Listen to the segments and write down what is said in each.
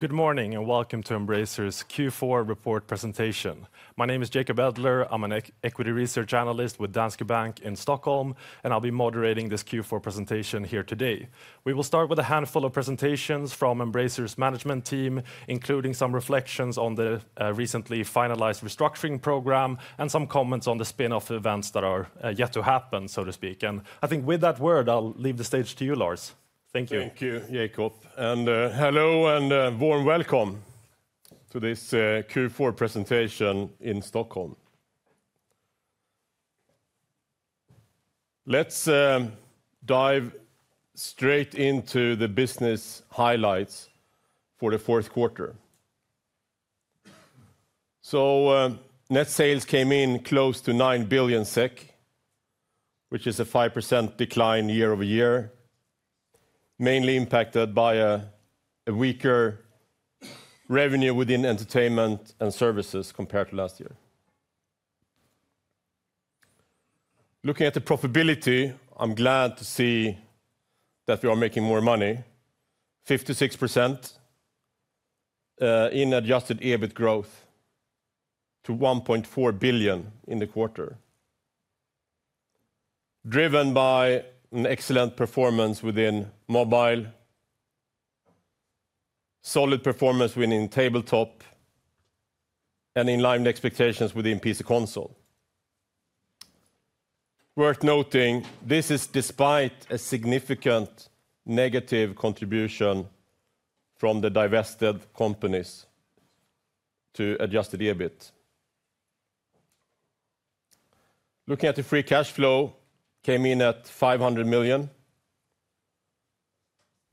Good morning, and welcome to Embracer's Q4 report presentation. My name is Jacob Edler. I'm an equity research analyst with Danske Bank in Stockholm, and I'll be moderating this Q4 presentation here today. We will start with a handful of presentations from Embracer's management team, including some reflections on the recently finalized restructuring program and some comments on the spin-off events that are yet to happen, so to speak. I think with that word, I'll leave the stage to you, Lars. Thank you. Thank you, Jacob, and hello, and warm welcome to this Q4 presentation in Stockholm. Let's dive straight into the business highlights for the fourth quarter. So, net sales came in close to 9 billion SEK, which is a 5% decline year-over-year, mainly impacted by a weaker revenue within entertainment and services compared to last year. Looking at the profitability, I'm glad to see that we are making more money, 56% in adjusted EBIT growth to 1.4 billion in the quarter, driven by an excellent performance within mobile, solid performance within tabletop, and in line with expectations within PC console. Worth noting, this is despite a significant negative contribution from the divested companies to adjusted EBIT. Looking at the free cash flow, came in at 500 million,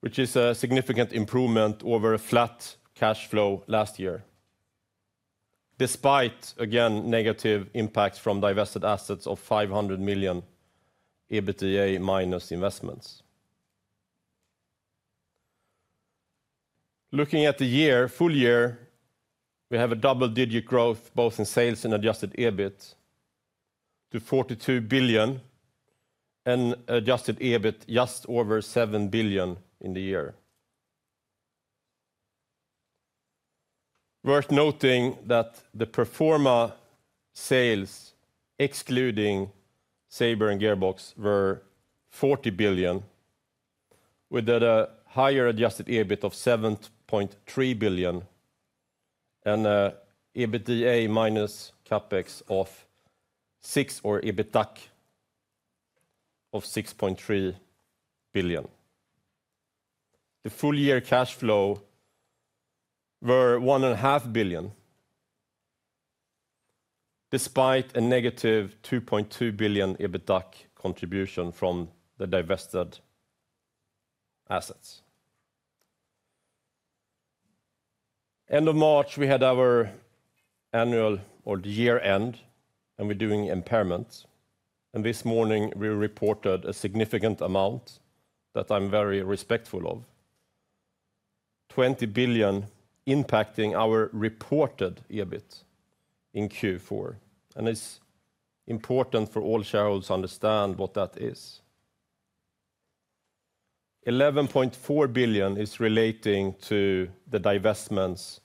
which is a significant improvement over a flat cash flow last year, despite, again, negative impacts from divested assets of 500 million EBITDA minus investments. Looking at the year, full year, we have a double-digit growth, both in sales and adjusted EBIT, to 42 billion and adjusted EBIT just over 7 billion in the year. Worth noting that the pro forma sales, excluding Saber and Gearbox, were 40 billion, with a higher adjusted EBIT of 7.3 billion and EBITDA minus CapEx of 6 billion, or EBITDAC of 6.3 billion. The full-year cash flow were 1.5 billion, despite a negative 2.2 billion EBITDAC contribution from the divested assets. End of March, we had our annual or the year-end, and we're doing impairments, and this morning, we reported a significant amount that I'm very respectful of. 20 billion impacting our reported EBIT in Q4, and it's important for all shareholders to understand what that is. 11.4 billion is relating to the divestments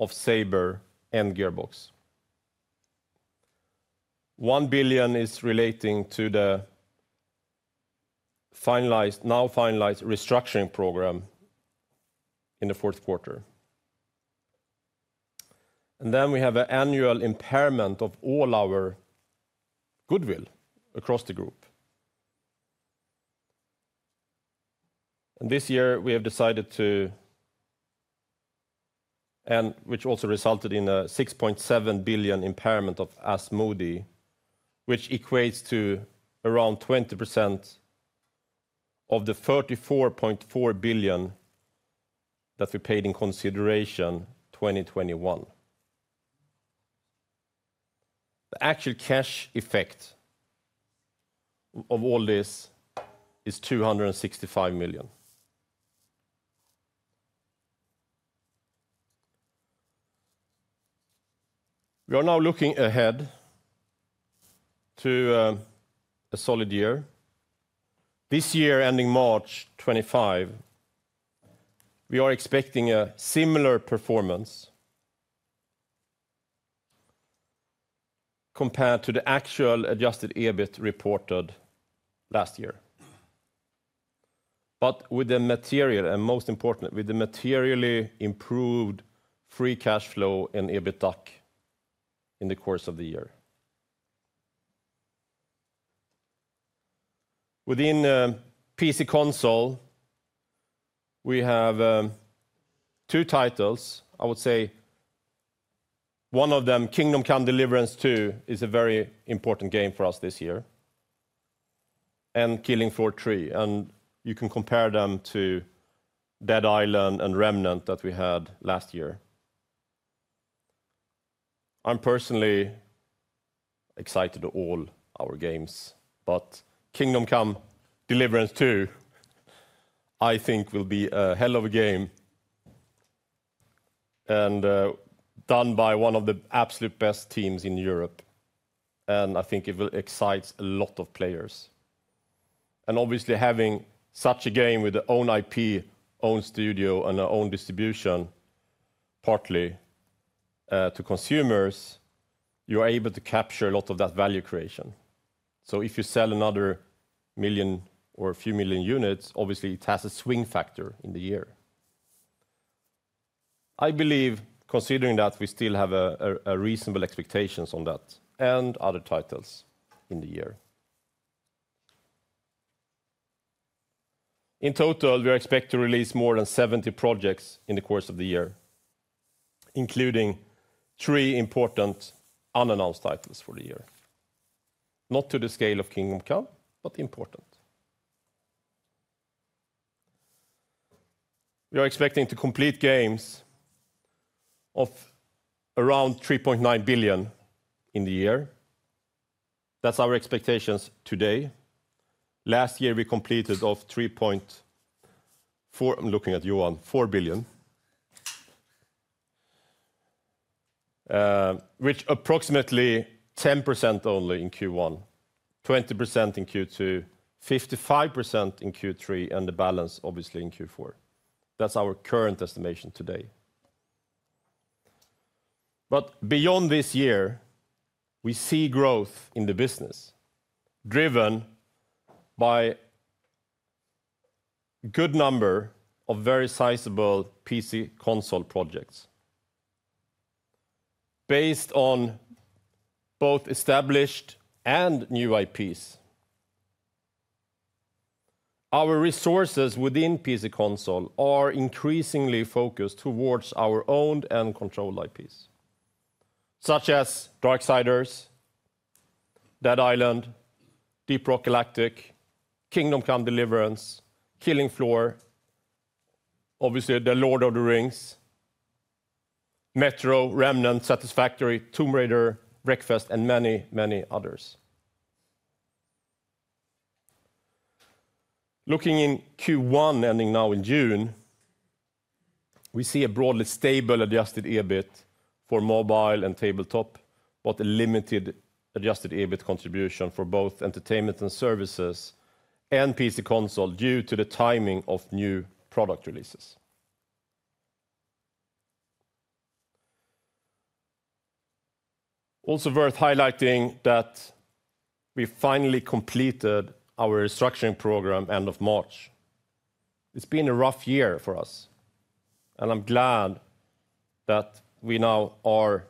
of Saber and Gearbox. 1 billion is relating to the finalized, now finalized, restructuring program in the fourth quarter. And then we have an annual impairment of all our goodwill across the group. And this year, we have decided to... And which also resulted in a 6.7 billion impairment of Asmodee, which equates to around 20% of the 34.4 billion that we paid in consideration 2021. The actual cash effect of all this is 265 million. We are now looking ahead to a solid year. This year, ending March 2025, we are expecting a similar performance compared to the actual Adjusted EBIT reported last year, but with the material, and most important, with the materially improved free cash flow and EBITDAC in the course of the year. Within PC console, we have two titles. I would say one of them, Kingdom Come: Deliverance II, is a very important game for us this year, and Killing Floor 3, and you can compare them to Dead Island and Remnant that we had last year. I'm personally excited of all our games, but Kingdom Come: Deliverance II, I think will be a hell of a game and done by one of the absolute best teams in Europe, and I think it will excite a lot of players. and obviously having such a game with their own IP, own studio, and their own distribution, partly to consumers, you are able to capture a lot of that value creation. So if you sell another million or a few million units, obviously it has a swing factor in the year. I believe, considering that we still have reasonable expectations on that and other titles in the year. In total, we expect to release more than 70 projects in the course of the year, including 3 important unannounced titles for the year. Not to the scale of Kingdom Come, but important. We are expecting to complete games of around 3.9 billion in the year. That's our expectations today. Last year, we completed of 3.4 billion, I'm looking at you, on 4 billion, which approximately 10% only in Q1, 20% in Q2, 55% in Q3, and the balance, obviously, in Q4. That's our current estimation today. But beyond this year, we see growth in the business, driven by good number of very sizable PC console projects based on both established and new IPs. Our resources within PC console are increasingly focused towards our owned and controlled IPs, such as Darksiders, Dead Island, Deep Rock Galactic, Kingdom Come: Deliverance, Killing Floor, obviously, The Lord of the Rings, Metro, Remnant, Satisfactory, Tomb Raider, Wreckfest, and many, many others. Looking in Q1, ending now in June, we see a broadly stable Adjusted EBIT for mobile and tabletop, but a limited Adjusted EBIT contribution for both entertainment and services and PC console due to the timing of new product releases. Also worth highlighting that we finally completed our restructuring program end of March. It's been a rough year for us, and I'm glad that we now are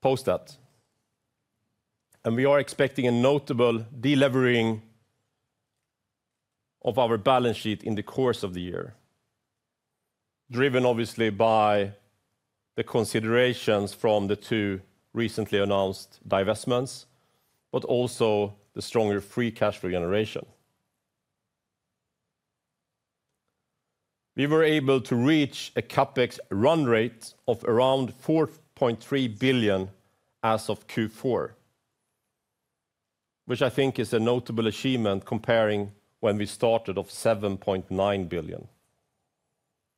post that. We are expecting a notable delevering of our balance sheet in the course of the year, driven obviously by the considerations from the two recently announced divestments, but also the stronger Free Cash Flow generation. We were able to reach a CapEx run rate of around 4.3 billion as of Q4, which I think is a notable achievement comparing when we started of 7.9 billion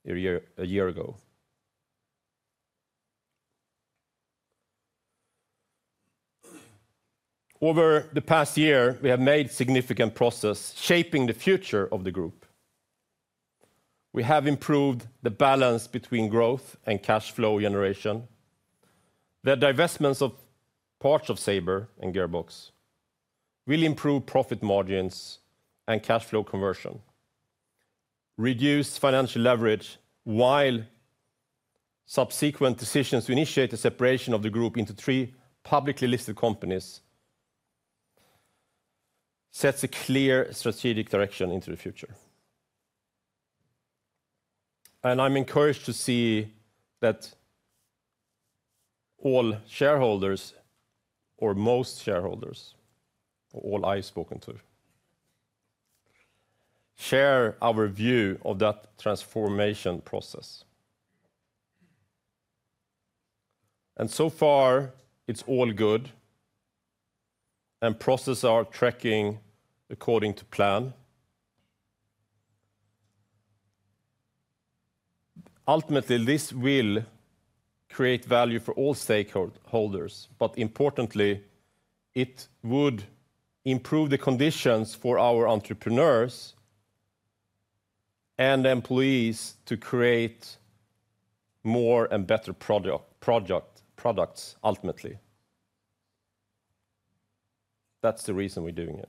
a year, a year ago. Over the past year, we have made significant progress shaping the future of the group. We have improved the balance between growth and cash flow generation. The divestments of parts of Saber and Gearbox will improve profit margins and cash flow conversion, reduce financial leverage, while subsequent decisions to initiate the separation of the group into three publicly listed companies sets a clear strategic direction into the future. I'm encouraged to see that all shareholders, or most shareholders, or all I've spoken to, share our view of that transformation process. So far, it's all good, and process are tracking according to plan. Ultimately, this will create value for all stakeholders, but importantly, it would improve the conditions for our entrepreneurs and employees to create more and better product, project, products, ultimately. That's the reason we're doing it.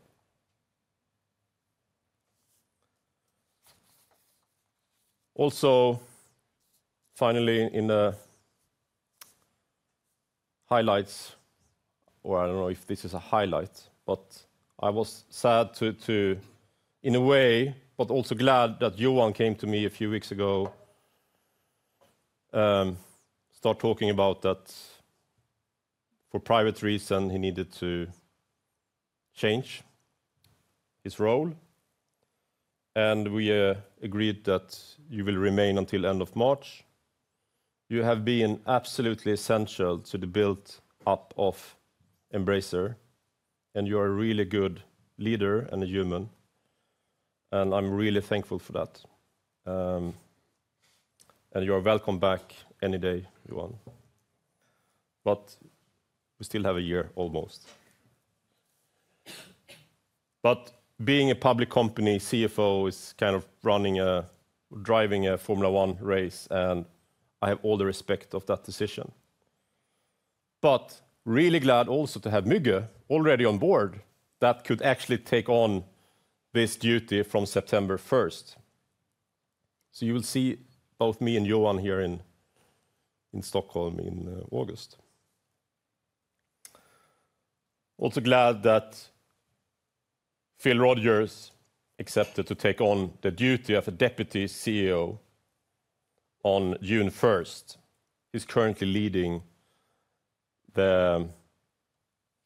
Also, finally, in the highlights, or I don't know if this is a highlight, but I was sad to, in a way, but also glad that Johan came to me a few weeks ago, start talking about that for private reason, he needed to change his role, and we agreed that you will remain until end of March. You have been absolutely essential to the build up of Embracer, and you are a really good leader and a human, and I'm really thankful for that. And you are welcome back any day, Johan... but we still have a year almost. But being a public company, CFO is kind of running a, driving a Formula One race, and I have all the respect of that decision. But really glad also to have Müge already on board that could actually take on this duty from September 1st. So you will see both me and Johan here in Stockholm in August. Also glad that Phil Rogers accepted to take on the duty of a deputy CEO on June 1st. He's currently leading the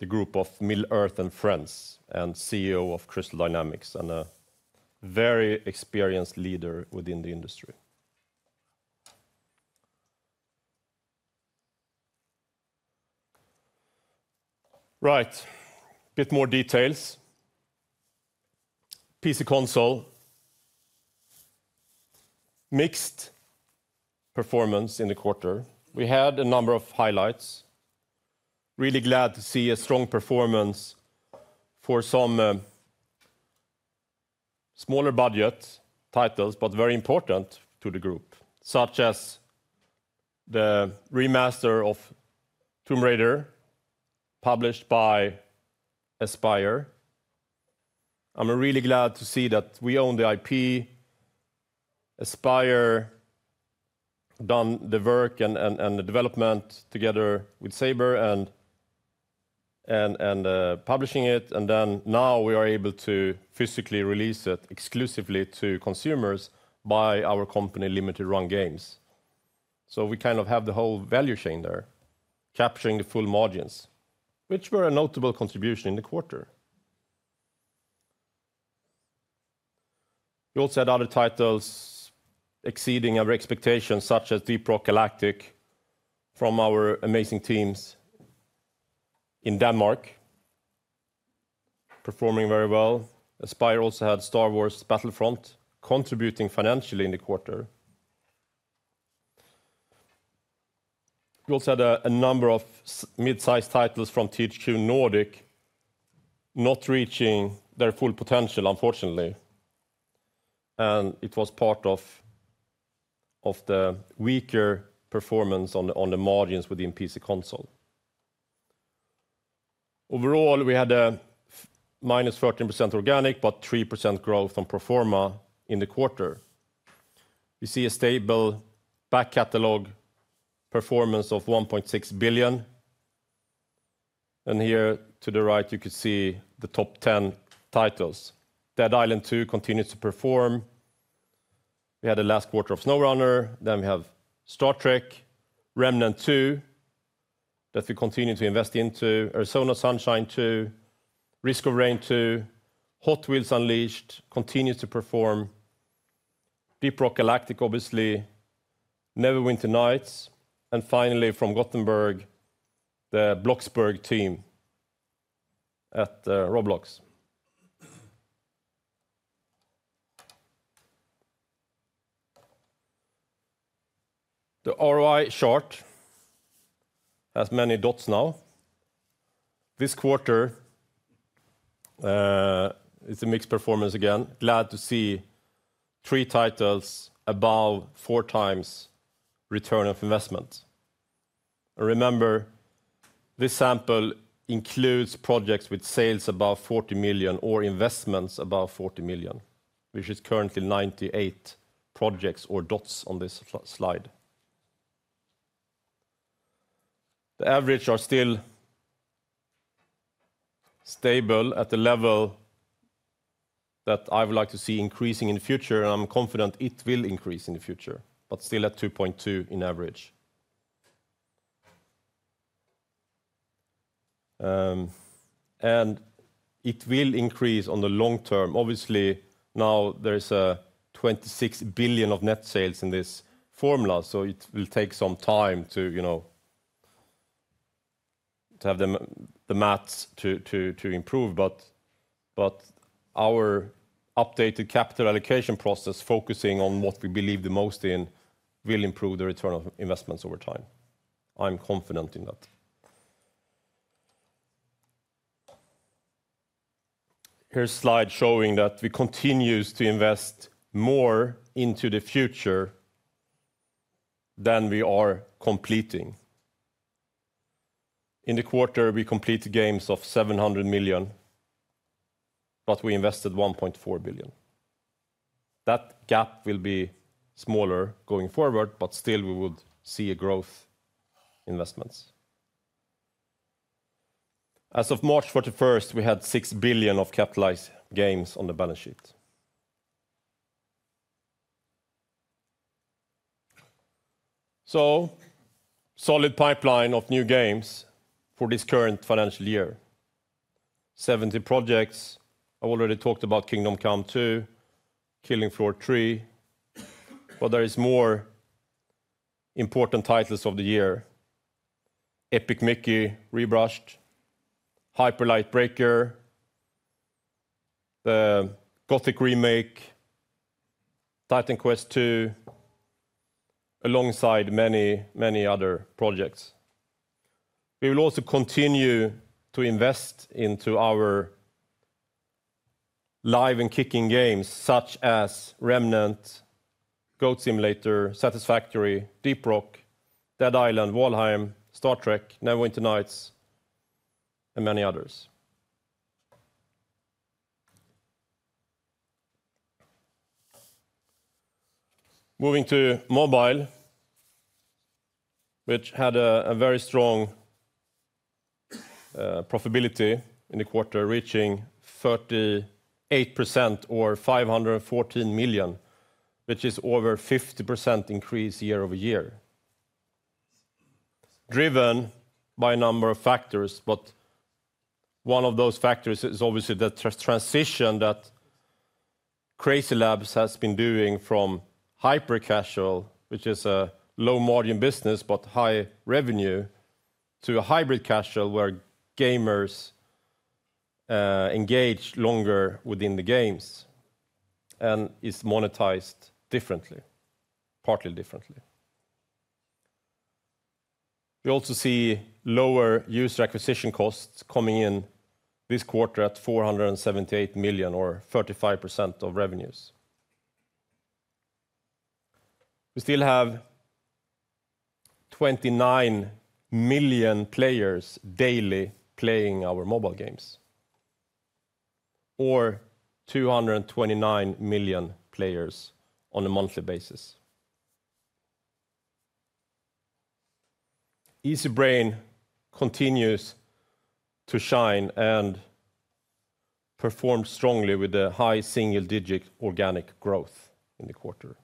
group of Middle-earth and Friends, and CEO of Crystal Dynamics, and a very experienced leader within the industry. Right, bit more details. PC console, mixed performance in the quarter. We had a number of highlights. Really glad to see a strong performance for some smaller budget titles, but very important to the group, such as the remaster of Tomb Raider, published by Aspyr. I'm really glad to see that we own the IP. Aspyr done the work and the development together with Saber and publishing it, and then now we are able to physically release it exclusively to consumers by our company, Limited Run Games. So we kind of have the whole value chain there, capturing the full margins, which were a notable contribution in the quarter. We also had other titles exceeding our expectations, such as Deep Rock Galactic, from our amazing teams in Denmark, performing very well. Aspyr also had Star Wars Battlefront, contributing financially in the quarter. We also had a number of mid-sized titles from THQ Nordic not reaching their full potential, unfortunately, and it was part of the weaker performance on the margins within PC console. Overall, we had a -13% organic, but 3% growth on pro forma in the quarter. We see a stable back catalog performance of 1.6 billion, and here to the right, you can see the top 10 titles. Dead Island 2 continues to perform. We had the last quarter of SnowRunner, then we have Star Trek, Remnant II, that we continue to invest into, Arizona Sunshine 2, Risk of Rain 2, Hot Wheels Unleashed continues to perform, Deep Rock Galactic, obviously, Neverwinter Nights, and finally, from Gothenburg, the Bloxburg team at Roblox. The ROI chart has many dots now. This quarter, it's a mixed performance again. Glad to see three titles above 4x return of investment. And remember, this sample includes projects with sales above 40 million or investments above 40 million, which is currently 98 projects or dots on this slide. The average are still stable at the level that I would like to see increasing in the future, and I'm confident it will increase in the future, but still at 2.2 in average. And it will increase on the long term. Obviously, now there is 26 billion of net sales in this formula, so it will take some time to, you know, to have the math to improve, but our updated capital allocation process, focusing on what we believe the most in, will improve the return of investments over time. I'm confident in that. Here's a slide showing that we continues to invest more into the future than we are completing. In the quarter, we completed games of 700 million, but we invested 1.4 billion. That gap will be smaller going forward, but still we would see a growth investments. As of March 31, we had 6 billion of capitalized games on the balance sheet. So solid pipeline of new games for this current financial year. 70 projects. I already talked about Kingdom Come II, Killing Floor 3, but there is more important titles of the year: Epic Mickey Rebrushed, Hyper Light Breaker-... the Gothic remake, Titan Quest II, alongside many, many other projects. We will also continue to invest into our live and kicking games, such as Remnant, Goat Simulator, Satisfactory, Deep Rock, Dead Island, Valheim, Star Trek, Neverwinter Nights, and many others. Moving to mobile, which had a very strong profitability in the quarter, reaching 38% or 514 million, which is over 50% increase year-over-year. Driven by a number of factors, but one of those factors is obviously the transition that CrazyLabs has been doing from hyper casual, which is a low-margin business but high revenue, to a hybrid casual, where gamers engage longer within the games and is monetized differently, partly differently. We also see lower user acquisition costs coming in this quarter at 478 million or 35% of revenues. We still have 29 million players daily playing our mobile games, or 229 million players on a monthly basis. Easybrain continues to shine and perform strongly with a high single-digit organic growth in the quarter.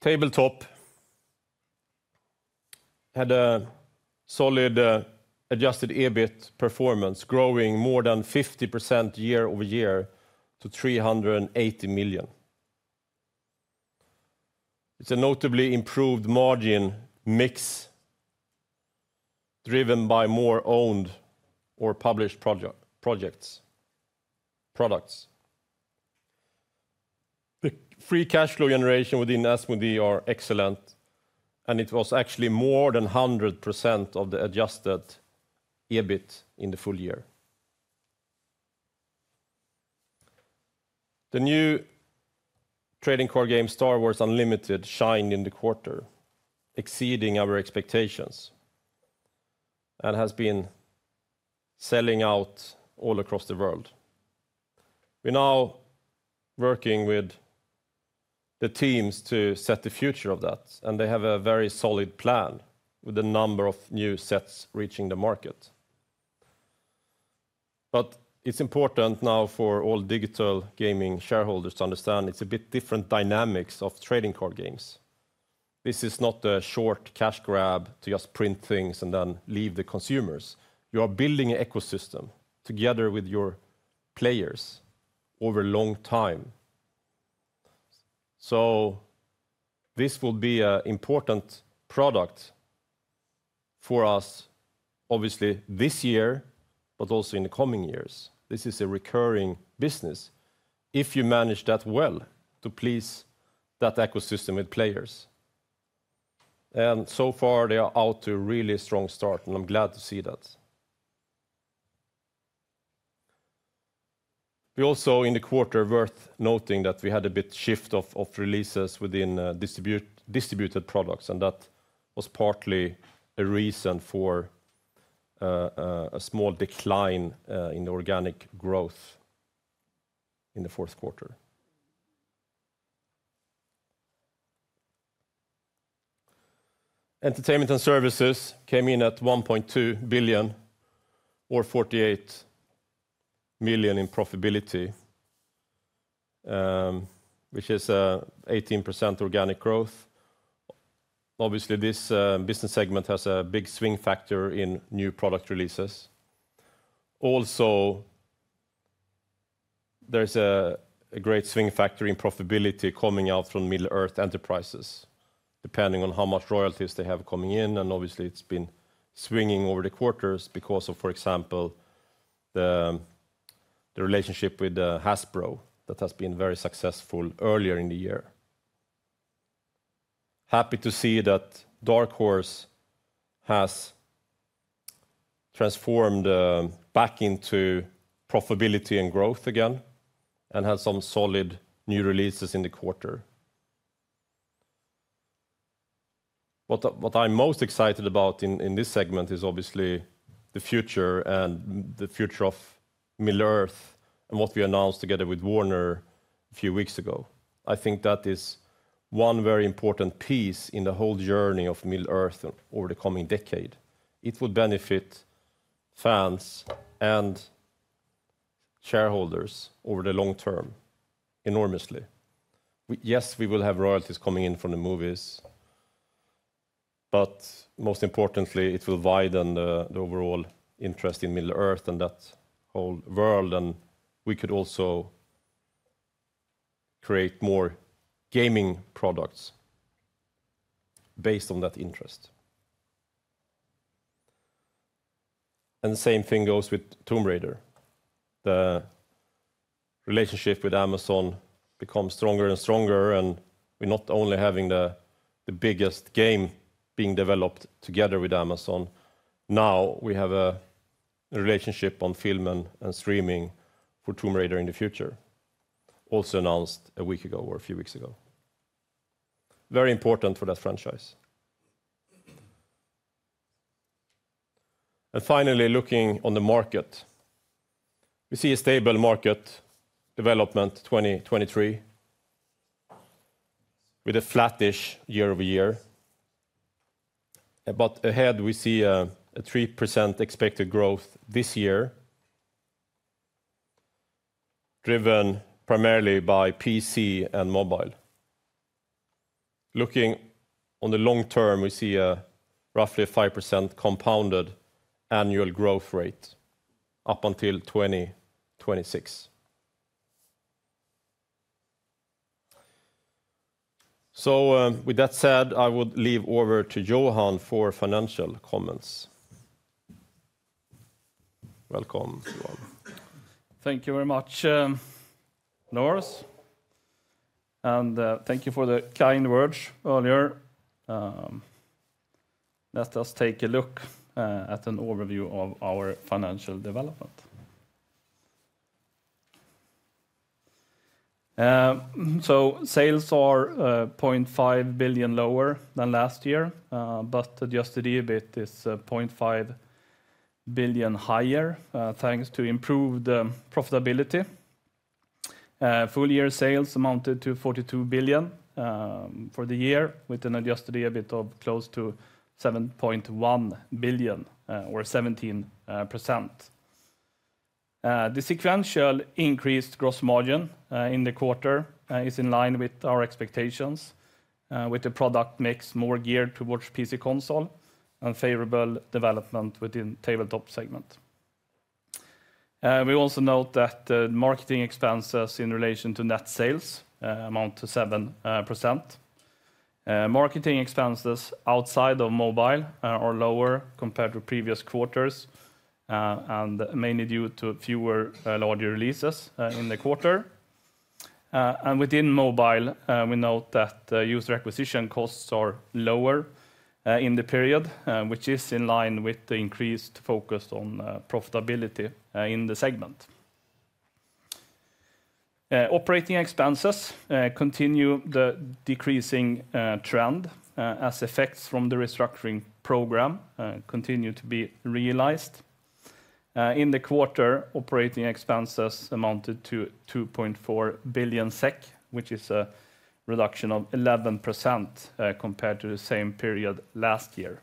Tabletop had a solid adjusted EBIT performance, growing more than 50% year-over-year to 380 million. It's a notably improved margin mix, driven by more owned or published projects, products. The free cash flow generation within Asmodee are excellent, and it was actually more than 100% of the adjusted EBIT in the full year. The new trading card game, Star Wars: Unlimited, shined in the quarter, exceeding our expectations, and has been selling out all across the world. We're now working with the teams to set the future of that, and they have a very solid plan with a number of new sets reaching the market. But it's important now for all digital gaming shareholders to understand it's a bit different dynamics of trading card games. This is not a short cash grab to just print things and then leave the consumers. You are building an ecosystem together with your players over a long time. So this will be a important product for us, obviously this year, but also in the coming years. This is a recurring business if you manage that well to please that ecosystem with players. And so far, they are out to a really strong start, and I'm glad to see that. We also, in the quarter, worth noting that we had a bit shift of releases within distributed products, and that was partly a reason for a small decline in organic growth in the fourth quarter. Entertainment and services came in at 1.2 billion or 48 million in profitability, which is an 18% organic growth. Obviously, this business segment has a big swing factor in new product releases. Also, there's a great swing factor in profitability coming out from Middle-earth Enterprises, depending on how much royalties they have coming in, and obviously it's been swinging over the quarters because of, for example, the relationship with Hasbro, that has been very successful earlier in the year. Happy to see that Dark Horse has transformed back into profitability and growth again and had some solid new releases in the quarter. What I, what I'm most excited about in this segment is obviously the future and the future of Middle-earth and what we announced together with Warner a few weeks ago. I think that is one very important piece in the whole journey of Middle-earth over the coming decade. It will benefit fans and shareholders over the long term enormously. We, yes, we will have royalties coming in from the movies, but most importantly, it will widen the overall interest in Middle-earth and that whole world, and we could also create more gaming products based on that interest. And the same thing goes with Tomb Raider. The relationship with Amazon becomes stronger and stronger, and we're not only having the biggest game being developed together with Amazon, now we have a relationship on film and streaming for Tomb Raider in the future, also announced a week ago or a few weeks ago. Very important for that franchise. Finally, looking on the market. We see a stable market development in 2023, with a flat-ish year-over-year. But ahead, we see a 3% expected growth this year, driven primarily by PC and mobile. Looking on the long term, we see a roughly a 5% compounded annual growth rate up until 2026. So, with that said, I would leave over to Johan for financial comments. Welcome, Johan. Thank you very much, Lars, and thank you for the kind words earlier. Let us take a look at an overview of our financial development. So sales are 0.5 billion lower than last year, but adjusted EBIT is 0.5 billion higher, thanks to improved profitability. Full year sales amounted to 42 billion for the year, with an adjusted EBIT of close to 7.1 billion, or 17%. The sequential increased gross margin in the quarter is in line with our expectations, with the product mix more geared towards PC console and favorable development within tabletop segment. We also note that the marketing expenses in relation to net sales amount to 7%. Marketing expenses outside of mobile are lower compared to previous quarters, and mainly due to fewer larger releases in the quarter. Within mobile, we note that user acquisition costs are lower in the period, which is in line with the increased focus on profitability in the segment. Operating expenses continue the decreasing trend, as effects from the restructuring program continue to be realized. In the quarter, operating expenses amounted to 2.4 billion SEK, which is a reduction of 11% compared to the same period last year.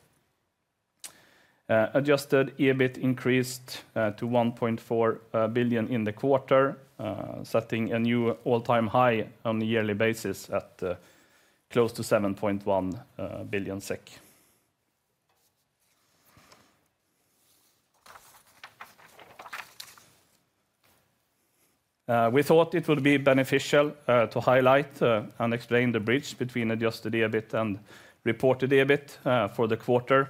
Adjusted EBIT increased to 1.4 billion in the quarter, setting a new all-time high on a yearly basis at close to 7.1 billion SEK. We thought it would be beneficial to highlight and explain the bridge between adjusted EBIT and reported EBIT for the quarter.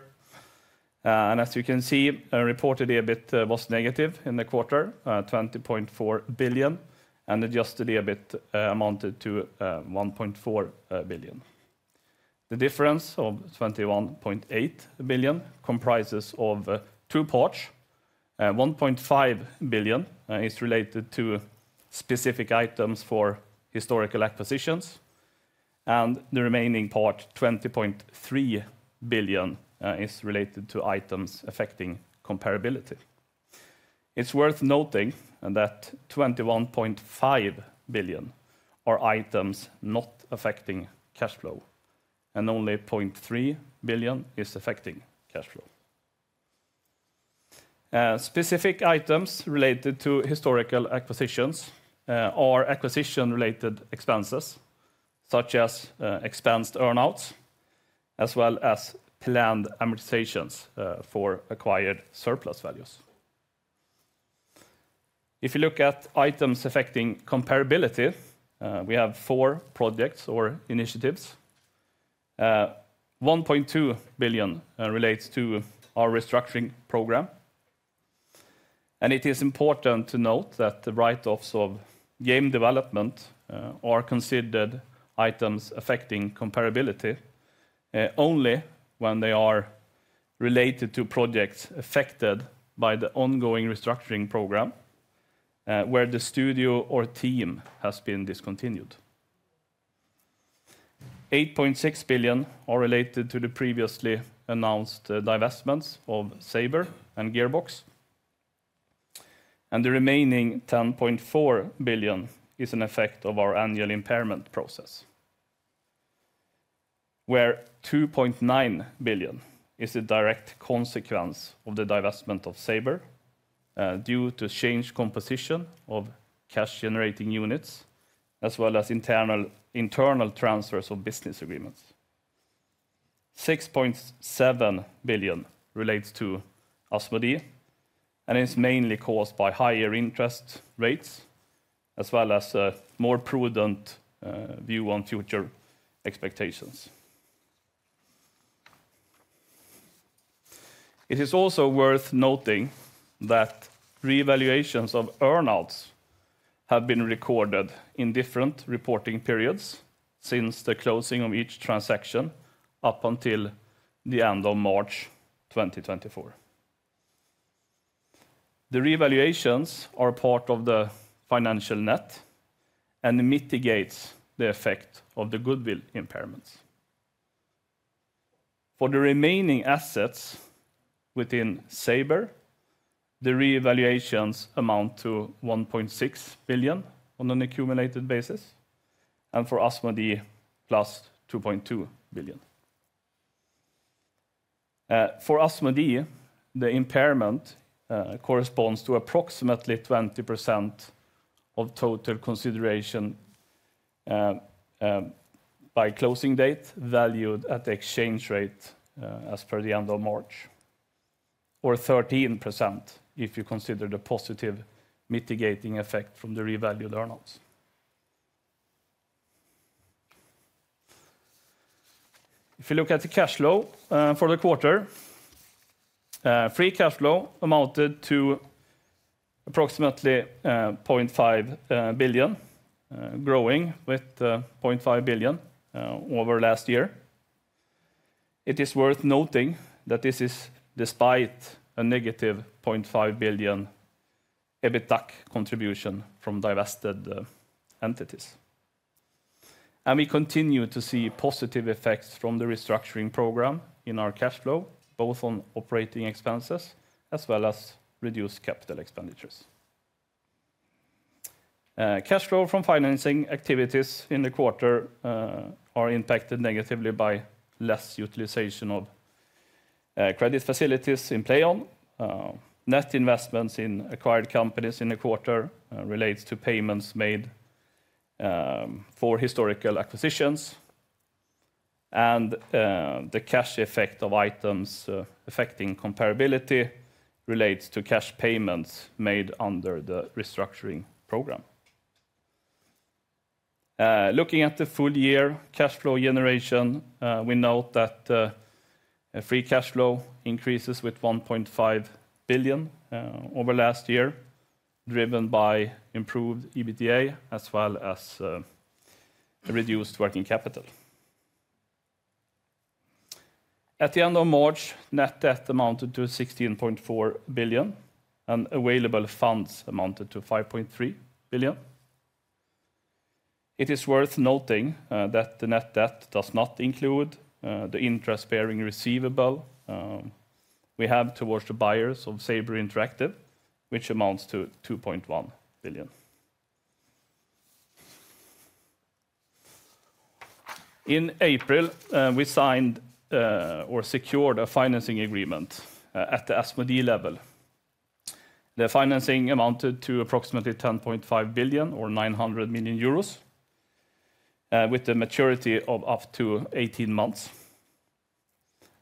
And as you can see, reported EBIT was negative in the quarter, 20.4 billion, and adjusted EBIT amounted to 1.4 billion. The difference of 21.8 billion comprises of two parts. 1.5 billion is related to specific items for historical acquisitions, and the remaining part, 20.3 billion, is related to items affecting comparability. It's worth noting that 21.5 billion are items not affecting cash flow, and only 0.3 billion is affecting cash flow. Specific items related to historical acquisitions are acquisition-related expenses, such as expense earn-outs, as well as planned amortizations for acquired surplus values. If you look at items affecting comparability, we have four projects or initiatives. 1.2 billion relates to our restructuring program, and it is important to note that the write-offs of game development are considered items affecting comparability only when they are related to projects affected by the ongoing restructuring program where the studio or team has been discontinued. 8.6 billion are related to the previously announced divestments of Saber and Gearbox, and the remaining 10.4 billion is an effect of our annual impairment process, where 2.9 billion is a direct consequence of the divestment of Saber due to changed composition of cash-generating units, as well as internal transfers of business agreements. 6.7 billion relates to Asmodee, and it's mainly caused by higher interest rates, as well as a more prudent view on future expectations. It is also worth noting that revaluations of earn-outs have been recorded in different reporting periods since the closing of each transaction up until the end of March 2024. The revaluations are part of the financial net and mitigates the effect of the goodwill impairments. For the remaining assets within Saber, the revaluations amount to 1.6 billion on an accumulated basis, and for Asmodee, plus 2.2 billion. For Asmodee, the impairment corresponds to approximately 20% of total consideration by closing date, valued at the exchange rate as per the end of March, or 13% if you consider the positive mitigating effect from the revalued earn-outs. If you look at the cash flow for the quarter, free cash flow amounted to approximately 0.5 billion, growing with 0.5 billion over last year. It is worth noting that this is despite a negative 0.5 billion EBITDA contribution from divested entities. And we continue to see positive effects from the restructuring program in our cash flow, both on operating expenses as well as reduced capital expenditures. Cash flow from financing activities in the quarter are impacted negatively by less utilization of credit facilities in PLAION. Net investments in acquired companies in the quarter relates to payments made for historical acquisitions, and the cash effect of items affecting comparability relates to cash payments made under the restructuring program. Looking at the full year cash flow generation, we note that a free cash flow increases with 1.5 billion over last year, driven by improved EBITDA, as well as a reduced working capital. At the end of March, net debt amounted to 16.4 billion, and available funds amounted to 5.3 billion. It is worth noting that the net debt does not include the interest-bearing receivable we have towards the buyers of Saber Interactive, which amounts to 2.1 billion. In April we signed or secured a financing agreement at the Asmodee level. The financing amounted to approximately 10.5 billion or 900 million euros, with the maturity of up to 18 months.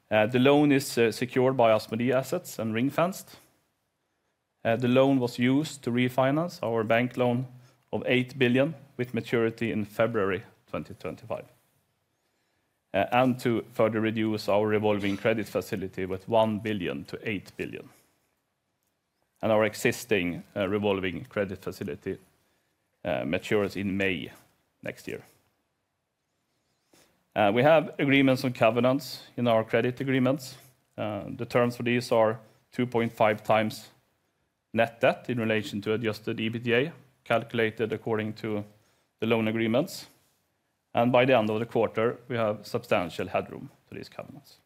The loan is secured by Asmodee assets and ring-fenced. The loan was used to refinance our bank loan of 8 billion with maturity in February 2025, and to further reduce our revolving credit facility with 1 billion to 8 billion, and our existing revolving credit facility matures in May 2025. We have agreements on covenants in our credit agreements. The terms for these are 2.5 times net debt in relation to adjusted EBITDA, calculated according to the loan agreements, and by the end of the quarter, we have substantial headroom to these covenants.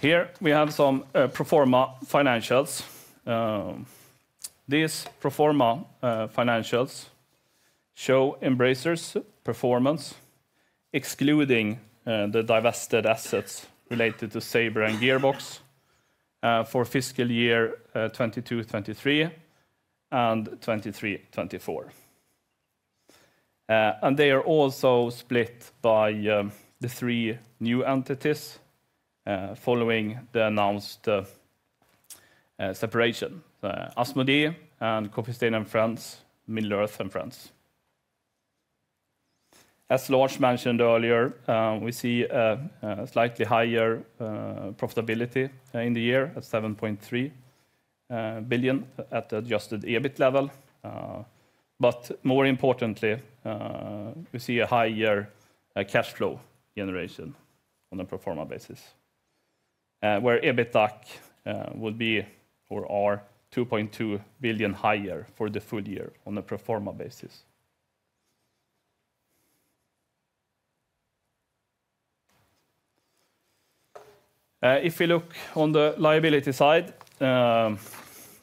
Here, we have some pro forma financials. These pro forma financials show Embracer's performance, excluding the divested assets related to Saber and Gearbox, for fiscal year 2022/23 and 2023/24. They are also split by the three new entities following the announced separation: Asmodee and Coffee Stain & Friends, Middle-earth and Friends. As Lars mentioned earlier, we see a slightly higher profitability in the year at 7.3 billion at the adjusted EBIT level, but more importantly, we see a higher cash flow generation on a pro forma basis, where EBITDA would be or are 2.2 billion higher for the full year on a pro forma basis. If you look on the liability side,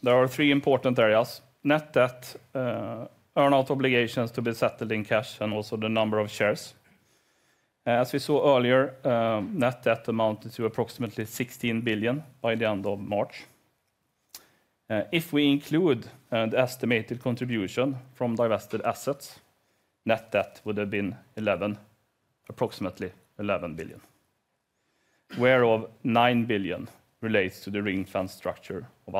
there are three important areas: net debt, earn-out obligations to be settled in cash, and also the number of shares. As we saw earlier, net debt amounted to approximately 16 billion by the end of March. If we include an estimated contribution from divested assets, net debt would have been approximately 11 billion, whereof 9 billion relates to the ring-fenced structure of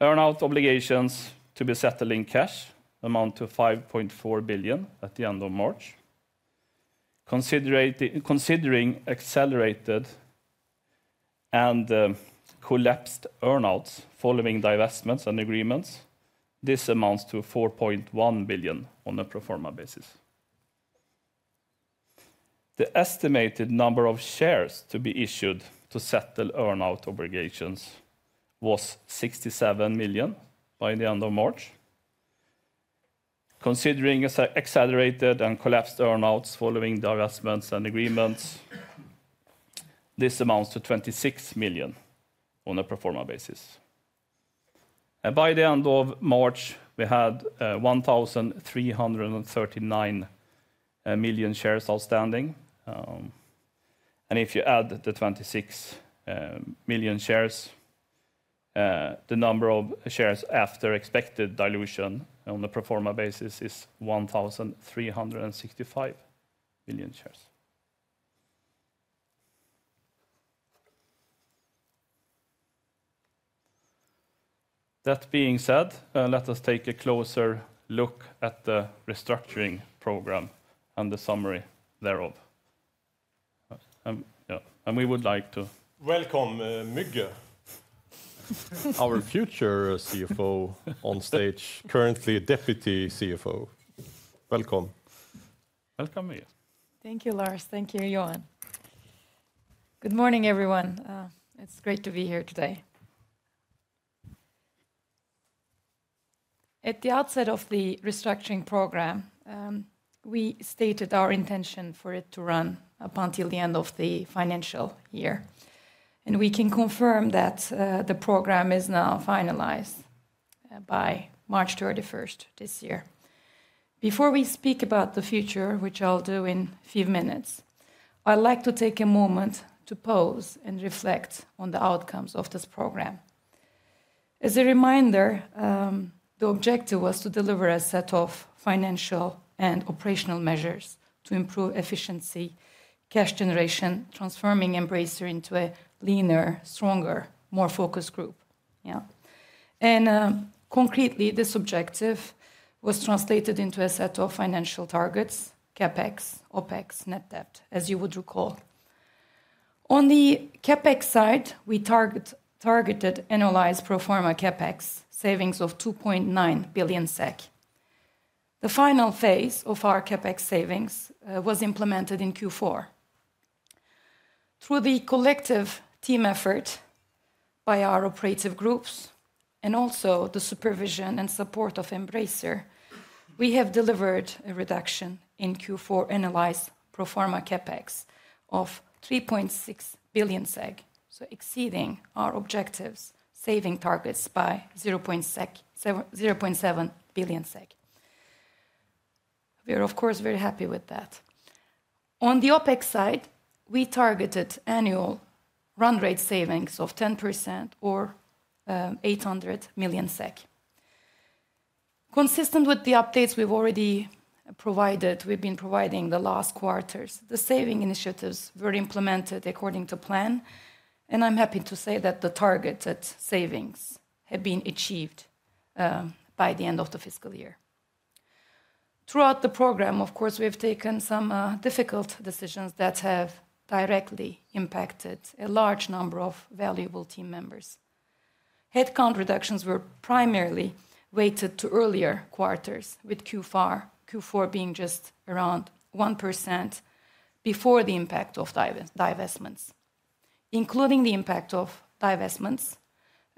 Asmodee. Earnout obligations to be settled in cash amount to 5.4 billion at the end of March. Considering accelerated and collapsed earnouts following divestments and agreements, this amounts to 4.1 billion on a pro forma basis. The estimated number of shares to be issued to settle earnout obligations was 67 million by the end of March. Considering accelerated and collapsed earnouts following divestments and agreements, this amounts to 26 million on a pro forma basis. By the end of March, we had 1,339 million shares outstanding. And if you add the 26 million shares, the number of shares after expected dilution on the pro forma basis is 1,365 million shares. That being said, let us take a closer look at the restructuring program and the summary thereof. Yeah, and we would like to- Welcome, Müge. Our future CFO on stage, currently Deputy CFO. Welcome, Müge. Thank you, Lars. Thank you, Johan. Good morning, everyone. It's great to be here today. At the outset of the restructuring program, we stated our intention for it to run up until the end of the financial year, and we can confirm that the program is now finalized by March 31st this year. Before we speak about the future, which I'll do in a few minutes, I'd like to take a moment to pause and reflect on the outcomes of this program. As a reminder, the objective was to deliver a set of financial and operational measures to improve efficiency, cash generation, transforming Embracer into a leaner, stronger, more focused group. Yeah. And, concretely, this objective was translated into a set of financial targets: CapEx, OpEx, Net Debt, as you would recall. On the CapEx side, we targeted annualized pro forma CapEx savings of 2.9 billion SEK. The final phase of our CapEx savings was implemented in Q4. Through the collective team effort by our operative groups and also the supervision and support of Embracer, we have delivered a reduction in Q4 annualized pro forma CapEx of 3.6 billion, so exceeding our objectives, saving targets by zero point seven billion SEK. We are, of course, very happy with that. On the OpEx side, we targeted annual run rate savings of 10% or eight hundred million SEK. Consistent with the updates we've already provided, we've been providing the last quarters, the saving initiatives were implemented according to plan, and I'm happy to say that the targeted savings have been achieved by the end of the fiscal year. Throughout the program, of course, we have taken some difficult decisions that have directly impacted a large number of valuable team members. Headcount reductions were primarily weighted to earlier quarters, with Q4, Q4 being just around 1% before the impact of divestments. Including the impact of divestments,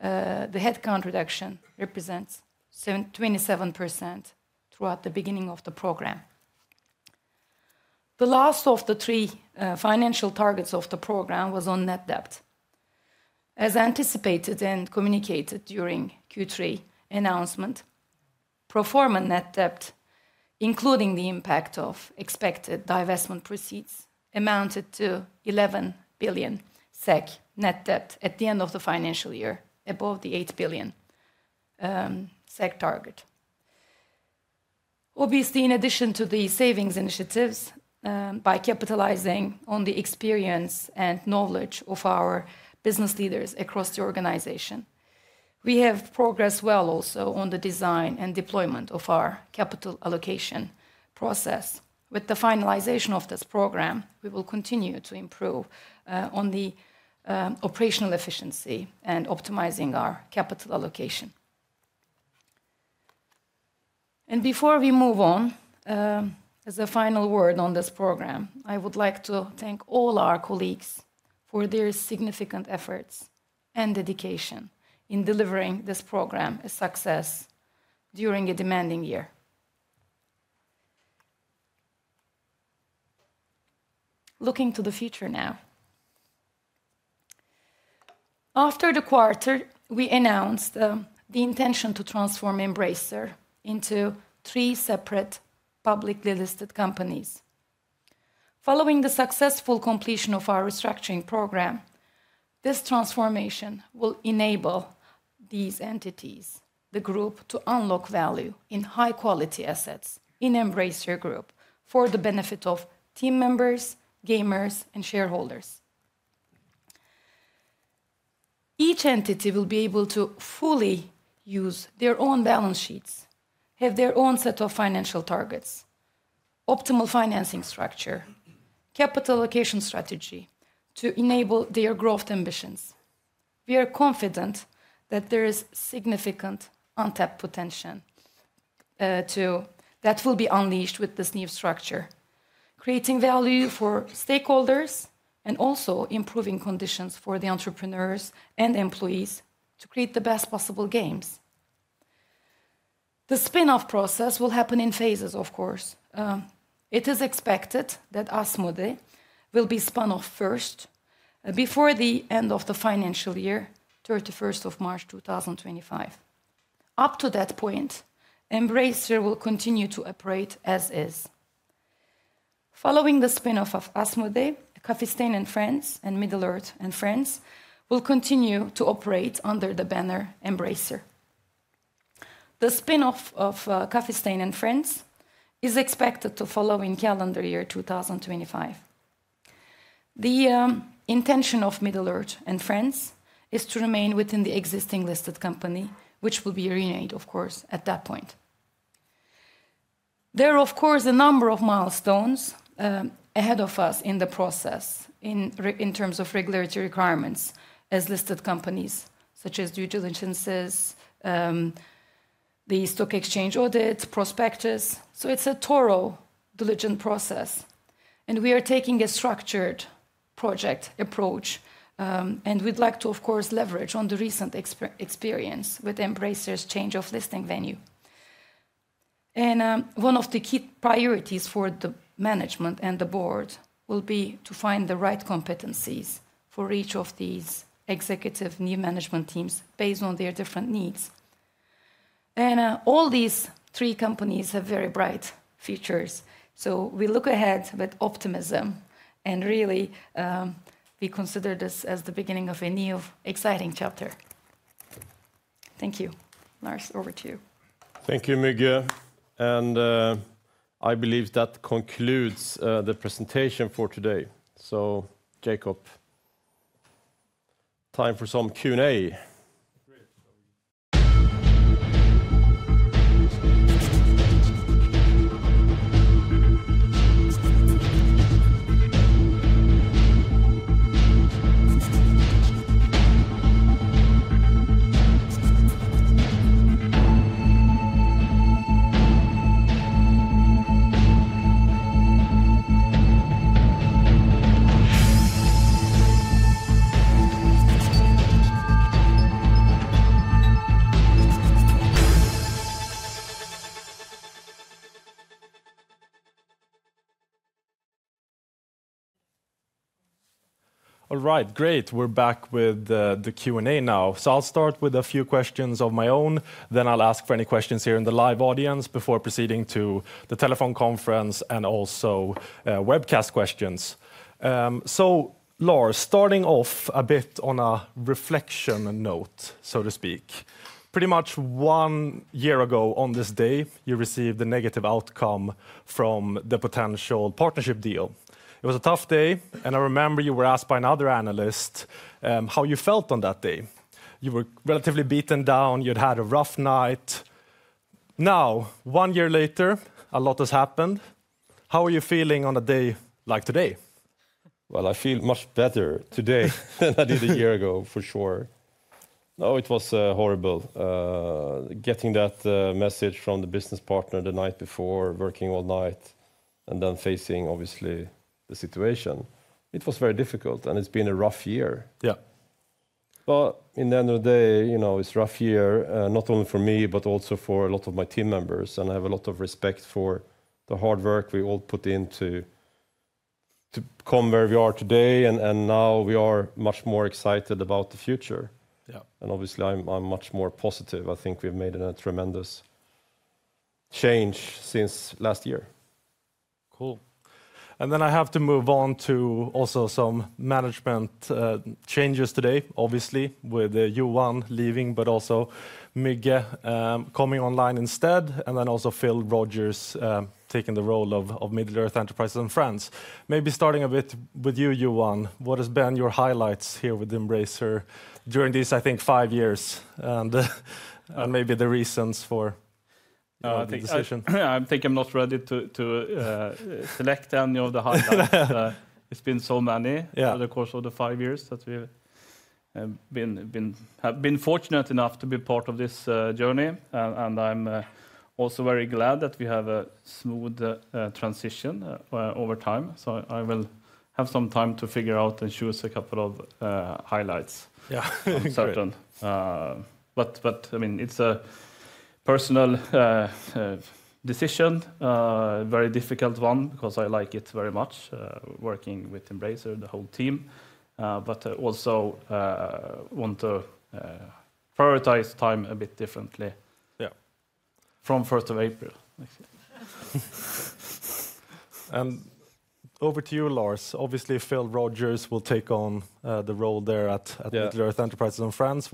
the headcount reduction represents 27% throughout the beginning of the program. The last of the three financial targets of the program was on net debt. As anticipated and communicated during Q3 announcement, pro forma net debt, including the impact of expected divestment proceeds, amounted to 11 billion SEK net debt at the end of the financial year, above the 8 billion SEK target. Obviously, in addition to the savings initiatives, by capitalizing on the experience and knowledge of our business leaders across the organization, we have progressed well also on the design and deployment of our capital allocation process. With the finalization of this program, we will continue to improve on the operational efficiency and optimizing our capital allocation. And before we move on, as a final word on this program, I would like to thank all our colleagues for their significant efforts and dedication in delivering this program a success during a demanding year. Looking to the future now. After the quarter, we announced the intention to transform Embracer into three separate publicly listed companies:... Following the successful completion of our restructuring program, this transformation will enable these entities, the group, to unlock value in high-quality assets in Embracer Group for the benefit of team members, gamers, and shareholders. Each entity will be able to fully use their own balance sheets, have their own set of financial targets, optimal financing structure, capital allocation strategy to enable their growth ambitions. We are confident that there is significant untapped potential, that will be unleashed with this new structure, creating value for stakeholders, and also improving conditions for the entrepreneurs and employees to create the best possible games. The spin-off process will happen in phases, of course. It is expected that Asmodee will be spun off first, before the end of the financial year, 31st of March, 2025. Up to that point, Embracer will continue to operate as is. Following the spin-off of Asmodee, Coffee Stain & Friends, and Middle-earth & Friends, will continue to operate under the banner Embracer. The spin-off of Coffee Stain & Friends is expected to follow in calendar year 2025. The intention of Middle-earth & Friends is to remain within the existing listed company, which will be renamed, of course, at that point. There are, of course, a number of milestones ahead of us in the process, in terms of regulatory requirements as listed companies, such as due diligences, the stock exchange audits, prospectus. So it's a thorough, diligent process, and we are taking a structured project approach. And we'd like to, of course, leverage on the recent experience with Embracer's change of listing venue. One of the key priorities for the management and the board will be to find the right competencies for each of these executive new management teams, based on their different needs. All these three companies have very bright futures, so we look ahead with optimism, and really, we consider this as the beginning of a new, exciting chapter. Thank you. Lars, over to you. Thank you, Müge. And, I believe that concludes the presentation for today. So Jacob, time for some Q&A. Great. All right, great. We're back with the Q&A now. So I'll start with a few questions of my own, then I'll ask for any questions here in the live audience before proceeding to the telephone conference and also webcast questions. So Lars, starting off a bit on a reflection note, so to speak, pretty much one year ago on this day, you received a negative outcome from the potential partnership deal. It was a tough day, and I remember you were asked by another analyst how you felt on that day. You were relatively beaten down. You'd had a rough night. Now, one year later, a lot has happened. How are you feeling on a day like today? Well, I feel much better today than I did a year ago, for sure. No, it was horrible, getting that message from the business partner the night before, working all night, and then facing obviously the situation. It was very difficult, and it's been a rough year. Yeah. But in the end of the day, you know, it's a rough year, not only for me, but also for a lot of my team members, and I have a lot of respect for the hard work we all put in to come where we are today, and now we are much more excited about the future. Yeah. Obviously, I'm, I'm much more positive. I think we've made a tremendous change since last year. Cool. And then I have to move on to also some management changes today, obviously, with Johan leaving, but also Müge coming online instead, and then also Phil Rogers taking the role of Middle-earth Enterprises & Friends. Maybe starting a bit with you, Johan, what has been your highlights here with Embracer during these, I think, five years, and maybe the reasons for the decision? I think I'm not ready to select any of the highlights. It's been so many- Yeah Over the course of the five years that we've been fortunate enough to be part of this journey. And I'm also very glad that we have a smooth transition over time. So I will have some time to figure out and choose a couple of highlights. Yeah. Great. But, I mean, it's a personal decision, very difficult one, because I like it very much, working with Embracer, the whole team, but I also want to prioritize time a bit differently. Yeah.... from 1st of April. Over to you, Lars. Obviously, Phil Rogers will take on the role there at- Yeah At Middle-earth Enterprises & Friends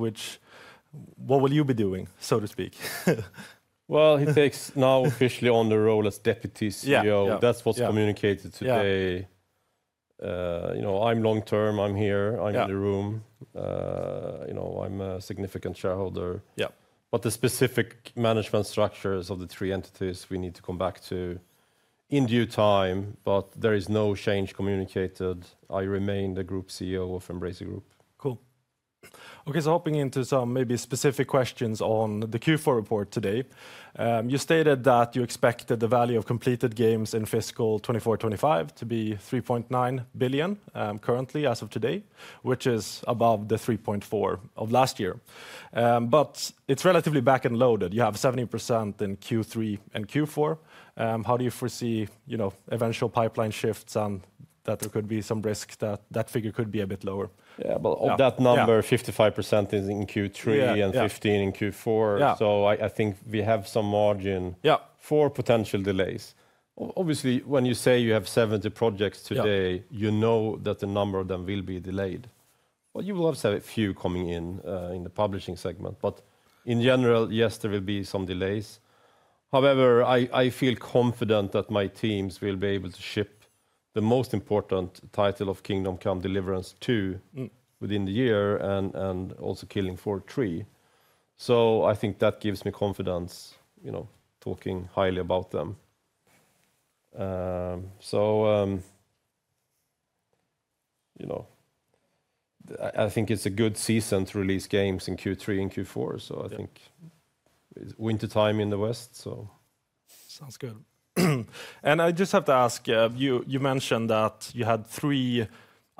what will you be doing, so to speak? Well, he takes now officially on the role as Deputy CEO. Yeah, yeah. That's what's communicated today. Yeah. You know, I'm long-term, I'm here- Yeah... I'm in the room. You know, I'm a significant shareholder. Yeah. The specific management structures of the three entities we need to come back to in due time, but there is no change communicated. I remain the Group CEO of Embracer Group. Cool. Okay, so hopping into some maybe specific questions on the Q4 report today. You stated that you expected the value of completed games in fiscal 2024, 2025 to be 3.9 billion, currently, as of today, which is above the 3.4 billion of last year. But it's relatively back and loaded. You have 70% in Q3 and Q4. How do you foresee, you know, eventual pipeline shifts, and that there could be some risk that that figure could be a bit lower? Yeah, but- Yeah, yeah... of that number, 55% is in Q3- Yeah, yeah... and 15 in Q4. Yeah. I think we have some margin- Yeah... for potential delays. Obviously, when you say you have 70 projects today- Yeah... you know that a number of them will be delayed. Well, you will also have a few coming in in the publishing segment, but in general, yes, there will be some delays. However, I, I feel confident that my teams will be able to ship the most important title of Kingdom Come: Deliverance II- Mm... within the year, and also Killing Floor 3. So I think that gives me confidence, you know, talking highly about them. So, you know, I think it's a good season to release games in Q3 and Q4, so I think- Yeah... wintertime in the West, so. Sounds good. I just have to ask, you mentioned that you had 3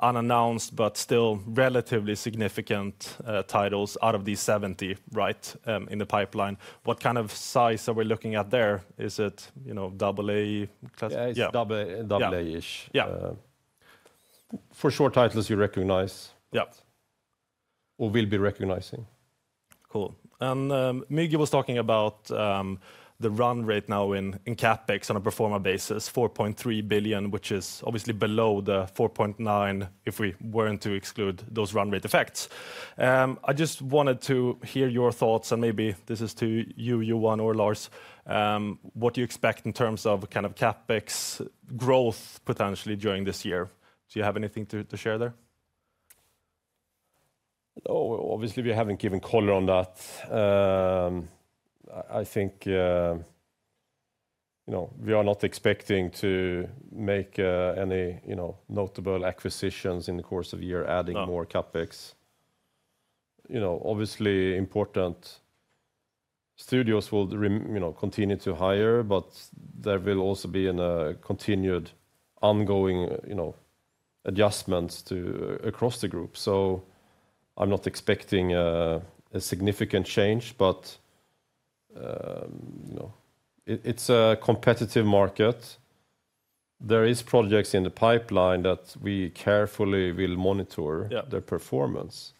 unannounced but still relatively significant titles out of these 70, right, in the pipeline. What kind of size are we looking at there? Is it, you know, double A classic- Yeah, it's double- Yeah... double A-ish. Yeah. For sure, titles you recognize- Yeah... or will be recognizing. Cool. Müge was talking about the run rate now in CapEx on a pro forma basis, 4.3 billion, which is obviously below the 4.9 billion if we weren't to exclude those run rate effects. I just wanted to hear your thoughts, and maybe this is to you, Johan or Lars, what do you expect in terms of kind of CapEx growth, potentially, during this year? Do you have anything to share there? Well, obviously we haven't given color on that. I think, you know, we are not expecting to make any, you know, notable acquisitions in the course of the year- Yeah... adding more CapEx. You know, obviously, important studios will continue to hire, but there will also be an continued ongoing, you know, adjustments to across the group. So I'm not expecting a significant change, but, you know, it, it's a competitive market. There is projects in the pipeline that we carefully will monitor- Yeah... their performance,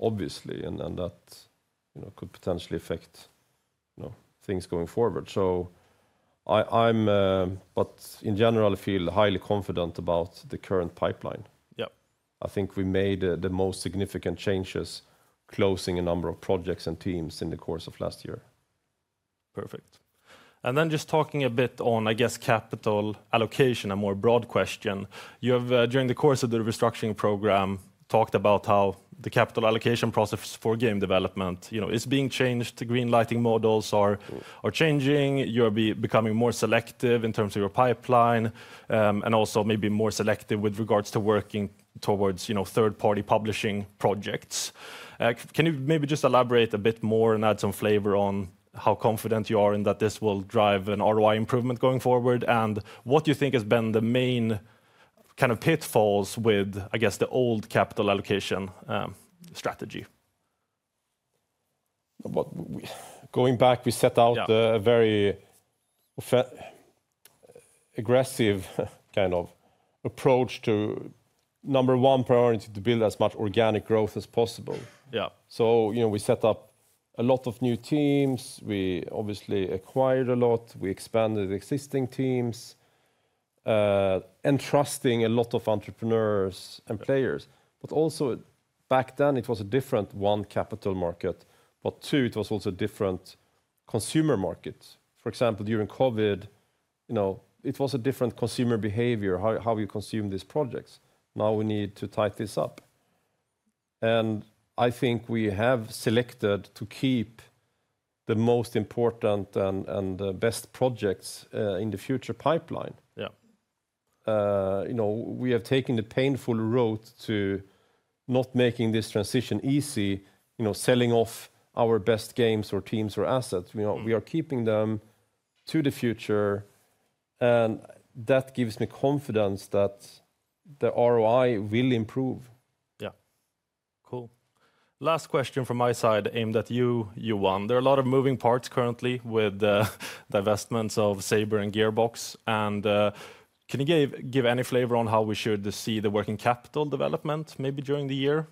obviously, and then that, you know, could potentially affect, you know, things going forward. But in general, I feel highly confident about the current pipeline. Yeah. I think we made the most significant changes, closing a number of projects and teams in the course of last year. Perfect. Then just talking a bit on, I guess, capital allocation, a more broad question. You have, during the course of the restructuring program, talked about how the capital allocation process for game development, you know, is being changed, the green lighting models are changing. You're becoming more selective in terms of your pipeline, and also maybe more selective with regards to working towards, you know, third-party publishing projects. Can you maybe just elaborate a bit more and add some flavor on how confident you are, and that this will drive an ROI improvement going forward? And what do you think has been the main kind of pitfalls with, I guess, the old capital allocation, strategy? Going back, we set out. Yeah... a very aggressive kind of approach to number one priority, to build as much organic growth as possible. Yeah. So, you know, we set up a lot of new teams. We obviously acquired a lot. We expanded existing teams, entrusting a lot of entrepreneurs and players. But also, back then, it was a different, one, capital market, but two, it was also a different consumer market. For example, during COVID, you know, it was a different consumer behavior, how, how you consume these projects. Now, we need to tie this up. I think we have selected to keep the most important and, and the best projects, in the future pipeline. Yeah. You know, we have taken the painful road to not making this transition easy, you know, selling off our best games or teams or assets. Mm-hmm. You know, we are keeping them to the future, and that gives me confidence that the ROI will improve. Yeah. Cool. Last question from my side, aimed at you, Johan. There are a lot of moving parts currently with the investments of Saber and Gearbox, and can you give any flavor on how we should see the working capital development, maybe during the year?...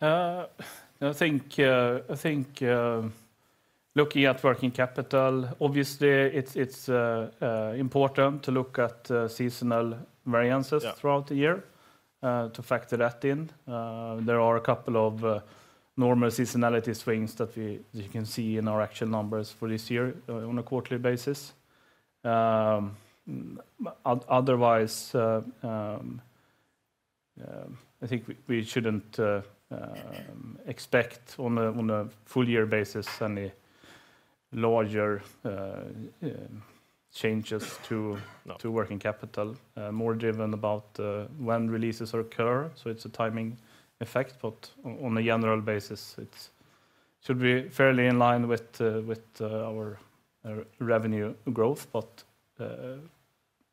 I think, looking at working capital, obviously, it's important to look at seasonal variances- Yeah - throughout the year, to factor that in. There are a couple of normal seasonality swings that you can see in our actual numbers for this year, on a quarterly basis. Otherwise, I think we shouldn't expect on a full year basis any larger changes to- No... to working capital. More driven about when releases occur, so it's a timing effect. But on a general basis, it should be fairly in line with our revenue growth, but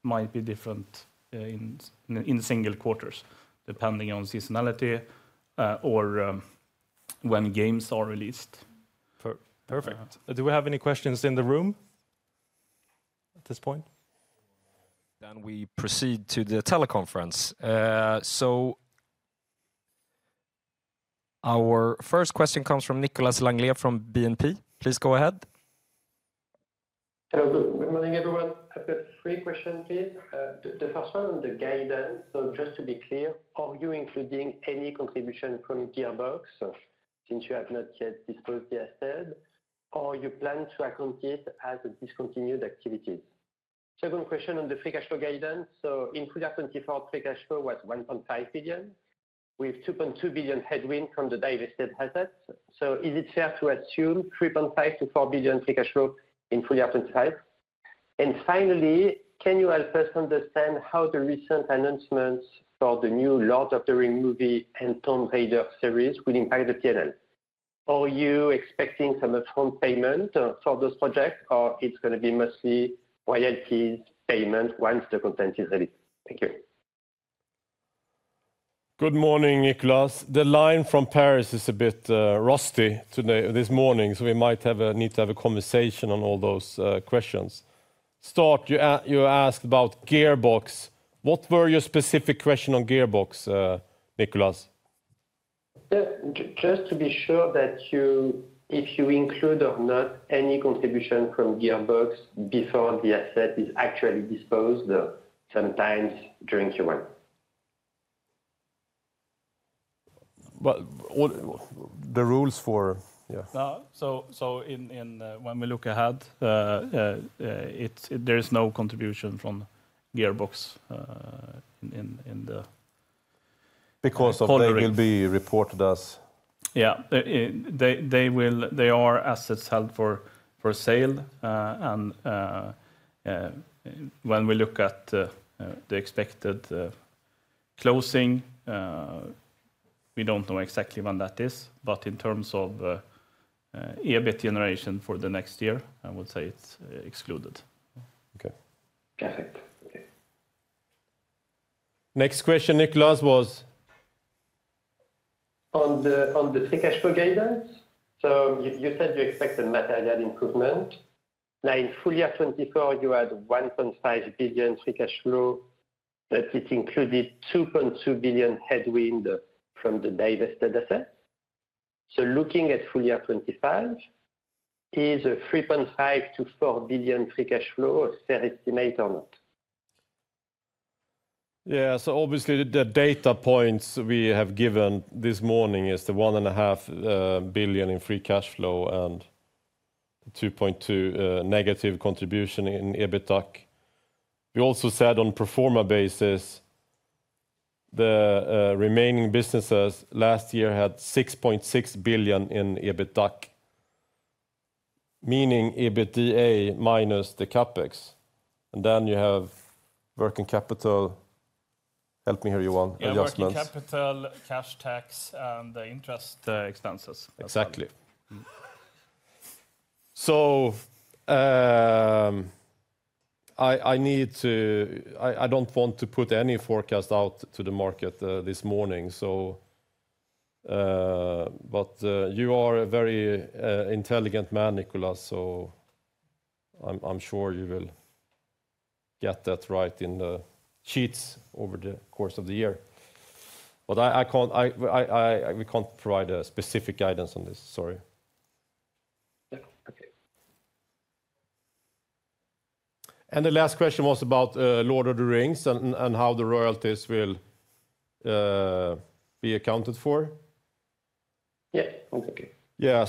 might be different in single quarters, depending on seasonality or when games are released for that. Perfect. Do we have any questions in the room at this point? Then we proceed to the teleconference. So our first question comes from Nicolas Langlet from BNP. Please go ahead. Hello. Good morning, everyone. I've got three questions, please. The first one on the guidance, so just to be clear, are you including any contribution from Gearbox, since you have not yet disposed the asset, or you plan to account it as a discontinued activity? Second question on the free cash flow guidance. So in 2024, free cash flow was 1.5 billion, with 2.2 billion headwind from the divested assets. So is it fair to assume 3.5 billion-4 billion free cash flow in full upside? And finally, can you help us understand how the recent announcements for the new Lord of the Rings movie and Tomb Raider series will impact the PNL? Are you expecting some upfront payment for this project, or it's gonna be mostly royalty payment once the content is ready? Thank you. Good morning, Nicolas. The line from Paris is a bit rusty today, this morning, so we might need to have a conversation on all those questions. Start, you asked about Gearbox. What were your specific question on Gearbox, Nicolas? Just to be sure that if you include or not any contribution from Gearbox before the asset is actually disposed, sometimes during Q1. Well, all the rules for, yeah. So, in when we look ahead, there is no contribution from Gearbox, in the- Because they will be reported as- Yeah, they are assets held for sale. When we look at the expected closing, we don't know exactly when that is, but in terms of EBIT generation for the next year, I would say it's excluded. Okay. Got it. Okay. Next question, Nicolas, was? On the free cash flow guidance. So you said you expect a material improvement. Now, in full year 2024, you had 1.5 billion free cash flow, but it included 2.2 billion headwind from the divested assets. So looking at full year 2025, is a 3.5-4 billion free cash flow a fair estimate or not? Yeah, so obviously, the data points we have given this morning is the 1.5 billion in free cash flow and 2.2 billion negative contribution in EBITDAC. We also said on pro forma basis, the remaining businesses last year had 6.6 billion in EBITDAC, meaning EBITDA minus the CapEx. And then you have working capital, help me here, Johan, adjustments. Yeah, working capital, cash tax, and the interest expenses. Exactly. Mm-hmm. So, I need to—I don't want to put any forecast out to the market this morning, so but you are a very intelligent man, Nicolas, so I'm sure you will get that right in the sheets over the course of the year. But I can't, we can't provide a specific guidance on this. Sorry. Yeah. Okay. The last question was about Lord of the Rings and how the royalties will be accounted for? Yeah. Okay,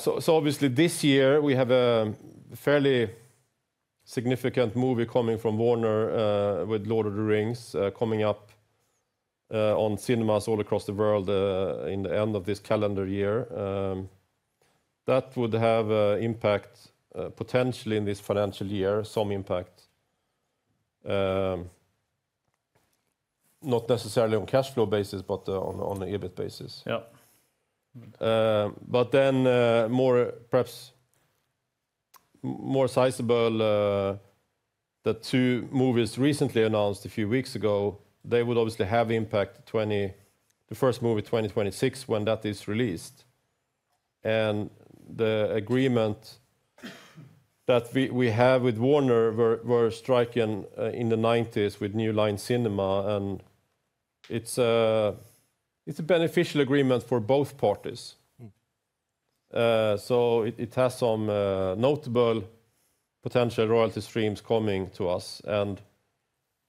cool. Obviously this year, we have a fairly significant movie coming from Warner, with Lord of the Rings, coming up, on cinemas all across the world, in the end of this calendar year. That would have an impact, potentially in this financial year, some impact, not necessarily on cash flow basis, but on EBIT basis. Yeah. But then, more sizable, the two movies recently announced a few weeks ago, they will obviously have impact 2026, the first movie, 2026, when that is released, and the agreement that we have with Warner were striking in the '90s with New Line Cinema, and it's a beneficial agreement for both parties. So it has some notable potential royalty streams coming to us, and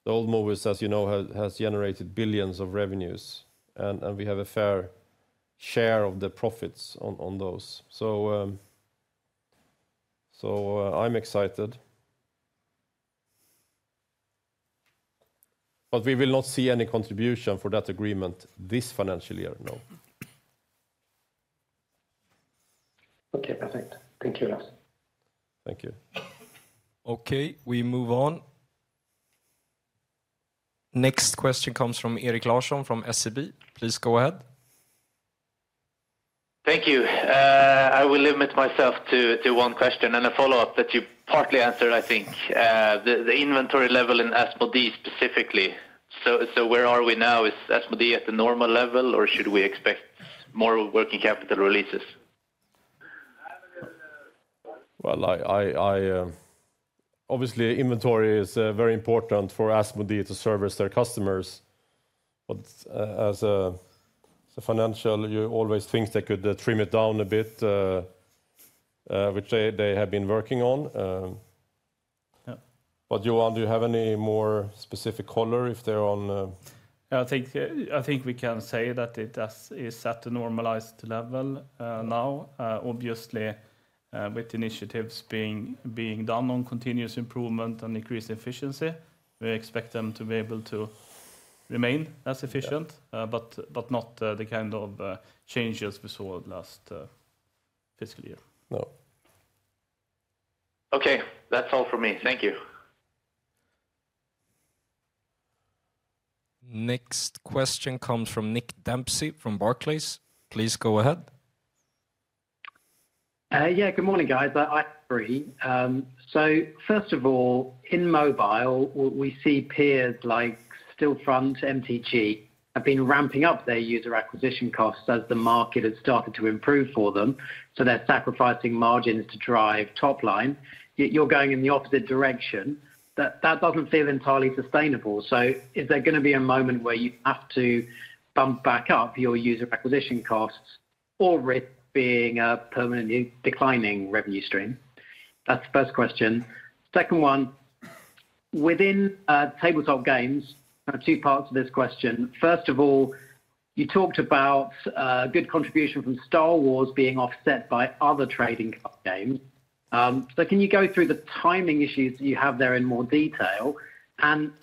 the old movies, as you know, has generated $ billions of revenues, and we have a fair share of the profits on those. So, I'm excited. But we will not see any contribution for that agreement this financial year, no. Okay, perfect. Thank you, Lars. Thank you. Okay, we move on. Next question comes from Erik Larsson from SEB. Please go ahead. Thank you. I will limit myself to one question and a follow-up that you partly answered, I think. The inventory level in Asmodee specifically. So where are we now? Is Asmodee at the normal level, or should we expect more working capital releases? Well, obviously, inventory is very important for Asmodee to service their customers. But, as a financial, you always think they could trim it down a bit, which they have been working on. Yeah. But Johan, do you have any more specific color if they're on? I think, I think we can say that it is at a normalized level now. Obviously, with initiatives being done on continuous improvement and increased efficiency, we expect them to be able to remain as efficient- Yeah... but not the kind of changes we saw last fiscal year. No. Okay. That's all for me. Thank you. Next question comes from Nick Dempsey from Barclays. Please go ahead. Yeah, good morning, guys. So first of all, in mobile, we see peers like Stillfront, MTG, have been ramping up their user acquisition costs as the market has started to improve for them, so they're sacrificing margins to drive top line, yet you're going in the opposite direction. That doesn't feel entirely sustainable. So is there gonna be a moment where you have to bump back up your user acquisition costs or risk being a permanently declining revenue stream? That's the first question. Second one: within tabletop games, kind of two parts of this question. First of all, you talked about good contribution from Star Wars being offset by other trading card games. So can you go through the timing issues that you have there in more detail?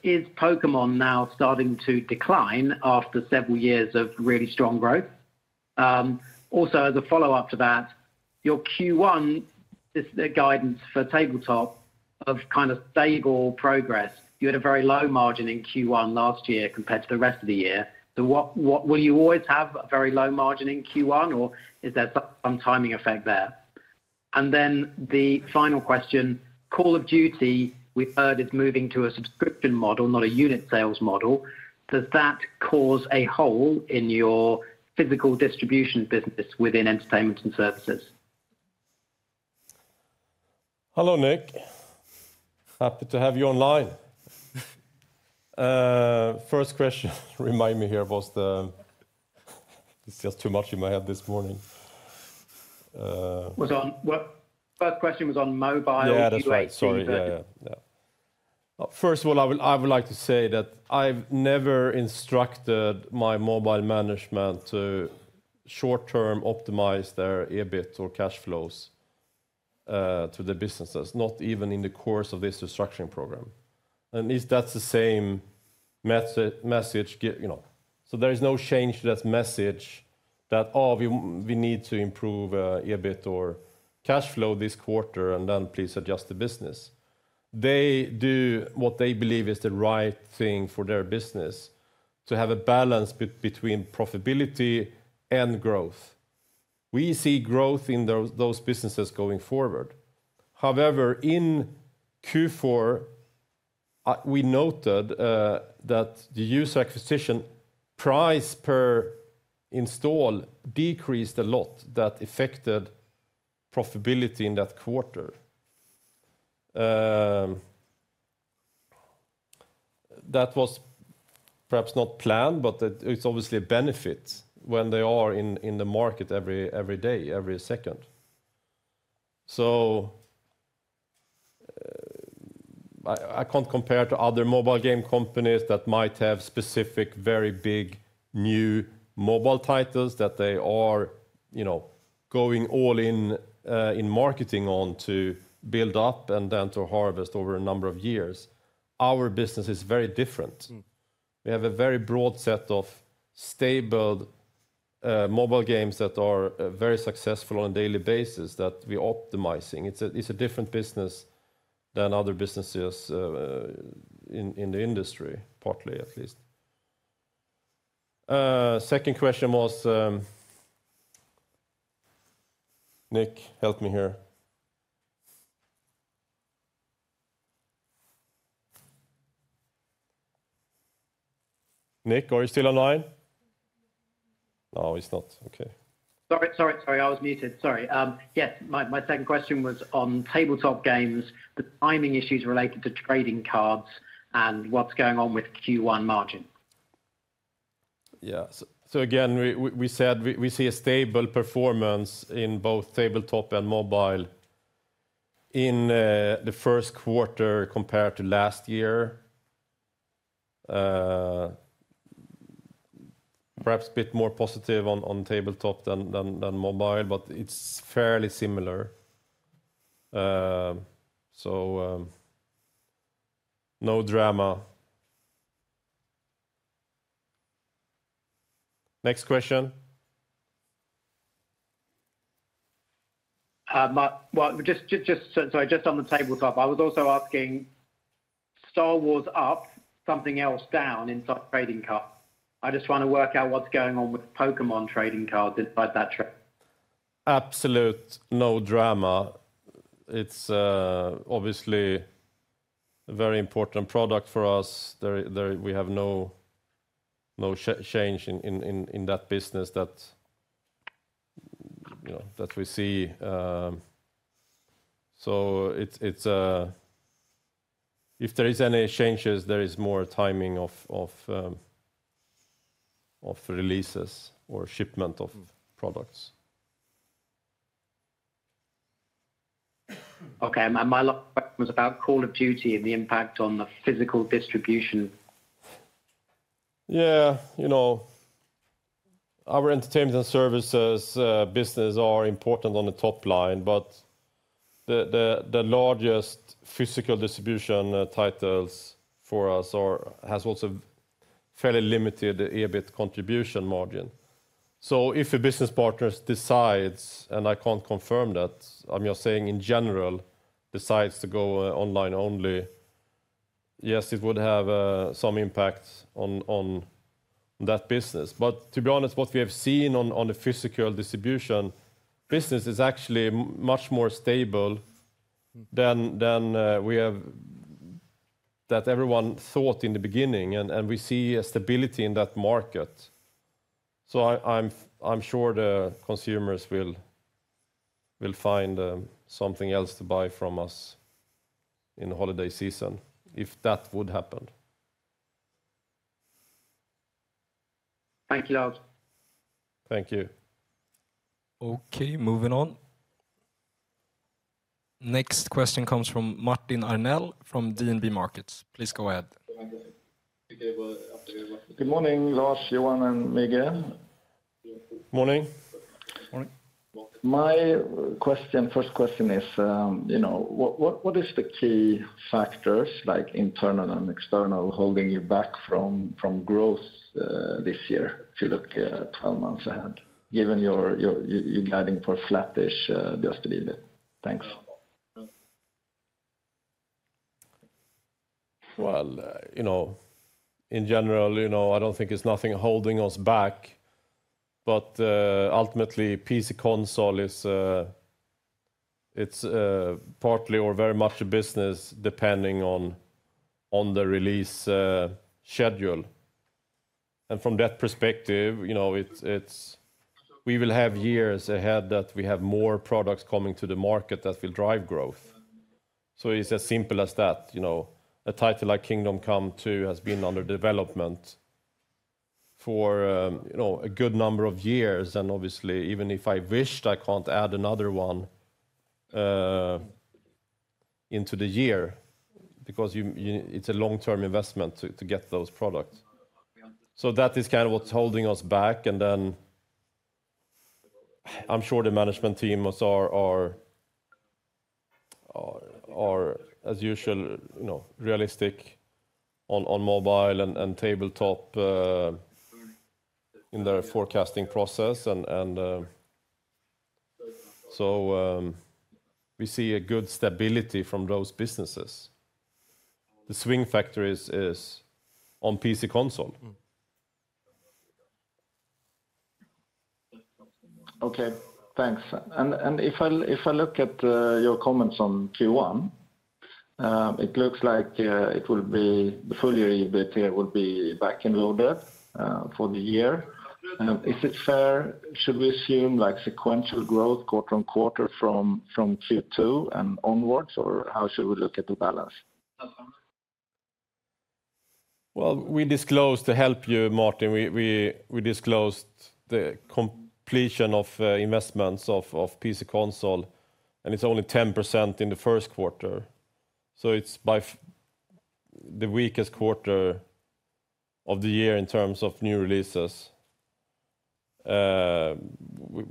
Is Pokémon now starting to decline after several years of really strong growth? Also, as a follow-up to that, your Q1 guidance for tabletop is of kind of stable progress. You had a very low margin in Q1 last year compared to the rest of the year. So what will you always have a very low margin in Q1, or is there some timing effect there? Then the final question: Call of Duty, we've heard, is moving to a subscription model, not a unit sales model. Does that cause a hole in your physical distribution business within entertainment and services? Hello, Nick. Happy to have you online. First question, remind me here, it's just too much in my head this morning. First question was on mobile Q1. Yeah, that's right. Sorry about that. Yeah, yeah. First of all, I would like to say that I've never instructed my mobile management to short-term optimize their EBIT or cash flows to the businesses, not even in the course of this restructuring program. And if that's the same message, you know, so there is no change to that message that, "Oh, we need to improve EBIT or cash flow this quarter, and then please adjust the business." They do what they believe is the right thing for their business to have a balance between profitability and growth. We see growth in those businesses going forward. However, in Q4, we noted that the user acquisition price per install decreased a lot. That affected profitability in that quarter. That was perhaps not planned, but it's obviously a benefit when they are in the market every day, every second. So, I can't compare to other mobile game companies that might have specific, very big, new mobile titles that they are, you know, going all in in marketing on to build up and then to harvest over a number of years. Our business is very different. Mm. We have a very broad set of stable, mobile games that are very successful on a daily basis that we're optimizing. It's a, it's a different business than other businesses in the industry, partly at least. Second question was... Nick, help me here.... Nick, are you still online? No, he's not. Okay. Sorry, sorry, sorry, I was muted. Sorry. Yes, my second question was on tabletop games, the timing issues related to trading cards and what's going on with Q1 margin. Yeah. So again, we said we see a stable performance in both tabletop and mobile in the first quarter compared to last year. Perhaps a bit more positive on tabletop than mobile, but it's fairly similar. So, no drama. Next question. Just on the tabletop, I was also asking, Star Wars up, something else down in stock trading cards. I just want to work out what's going on with Pokémon trading cards, despite that trend. Absolute no drama. It's obviously a very important product for us. There we have no change in that business that, you know, that we see. So it's... If there is any changes, there is more timing of releases or shipment of products. Okay, and my last question was about Call of Duty and the impact on the physical distribution. Yeah, you know, our entertainment and services business are important on the top line, but the largest physical distribution titles for us has also fairly limited EBIT contribution margin. So if a business partner decides, and I can't confirm that, I'm just saying in general, decides to go online only, yes, it would have some impact on that business. But to be honest, what we have seen on the physical distribution business is actually much more stable than that everyone thought in the beginning, and we see a stability in that market. So I'm sure the consumers will find something else to buy from us in the holiday season, if that would happen. Thank you, Lars. Thank you. Okay, moving on. Next question comes from Martin Arnell from DNB Markets. Please go ahead. Good morning, Lars, Johan, and Müge. Morning. Morning. My question, first question is, you know, what is the key factors, like internal and external, holding you back from growth this year, if you look 12 months ahead, given you're guiding for flat-ish, just deliver? Thanks. Well, you know, in general, you know, I don't think there's nothing holding us back, but, ultimately, PC console is, it's, partly or very much a business depending on, on the release, schedule. And from that perspective, you know, it's we will have years ahead that we have more products coming to the market that will drive growth. So it's as simple as that, you know. A title like Kingdom Come II has been under development for, you know, a good number of years, and obviously, even if I wished, I can't add another one into the year because it's a long-term investment to get those products. So that is kind of what's holding us back, and then I'm sure the management team also are as usual, you know, realistic on mobile and tabletop in their forecasting process. So, we see a good stability from those businesses. The swing factor is on PC console. Okay, thanks. If I look at your comments on Q1, it looks like the full year EBIT here will be back end loaded for the year. Is it fair? Should we assume like sequential growth quarter on quarter from Q2 and onwards, or how should we look at the balance? Well, we disclosed to help you, Martin. We disclosed the completion of investments of PC console, and it's only 10% in the first quarter, so it's by far the weakest quarter of the year in terms of new releases.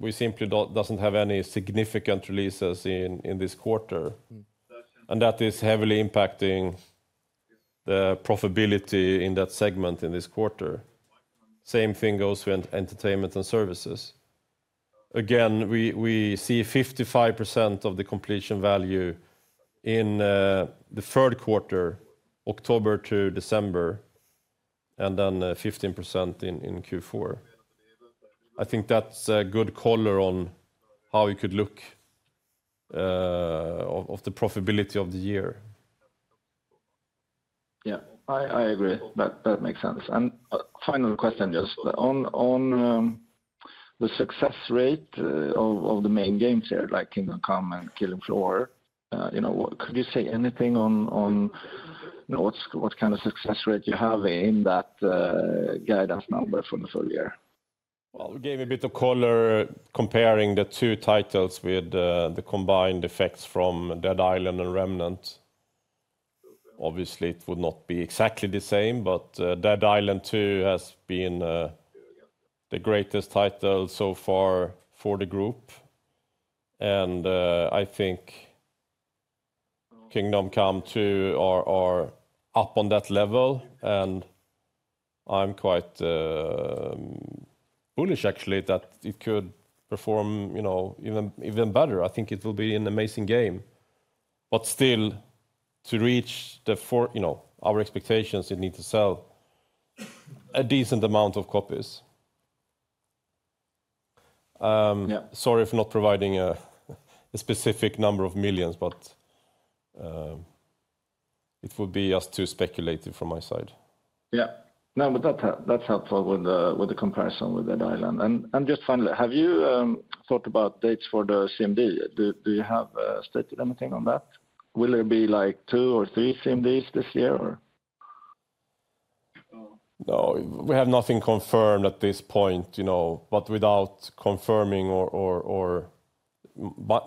We simply don't have any significant releases in this quarter- Mm-hmm. - and that is heavily impacting the profitability in that segment in this quarter. Same thing goes with entertainment and services. Again, we see 55% of the completion value in the third quarter, October to December, and then 15% in Q4. I think that's a good color on how it could look of the profitability of the year. Yeah, I agree. That makes sense. And final question, just on the success rate of the main games here, like Kingdom Come and Killing Floor, you know, could you say anything on you know, what kind of success rate you have in that guidance number from the full year? Well, we gave a bit of color comparing the two titles with the combined effects from Dead Island and Remnant. Obviously, it would not be exactly the same, but Dead Island 2 has been the greatest title so far for the group. And I think Kingdom Come II are up on that level, and I'm quite bullish, actually, that it could perform, you know, even better. I think it will be an amazing game. But still, to reach the four- you know, our expectations, it need to sell a decent amount of copies. Yeah. Sorry for not providing a specific number of millions, but it would be just too speculative from my side. Yeah. No, but that's helpful with the comparison with Dead Island. And just finally, have you thought about dates for the CMD? Do you have stated anything on that? Will there be like two or three CMDs this year, or...? No, we have nothing confirmed at this point, you know, but without confirming or...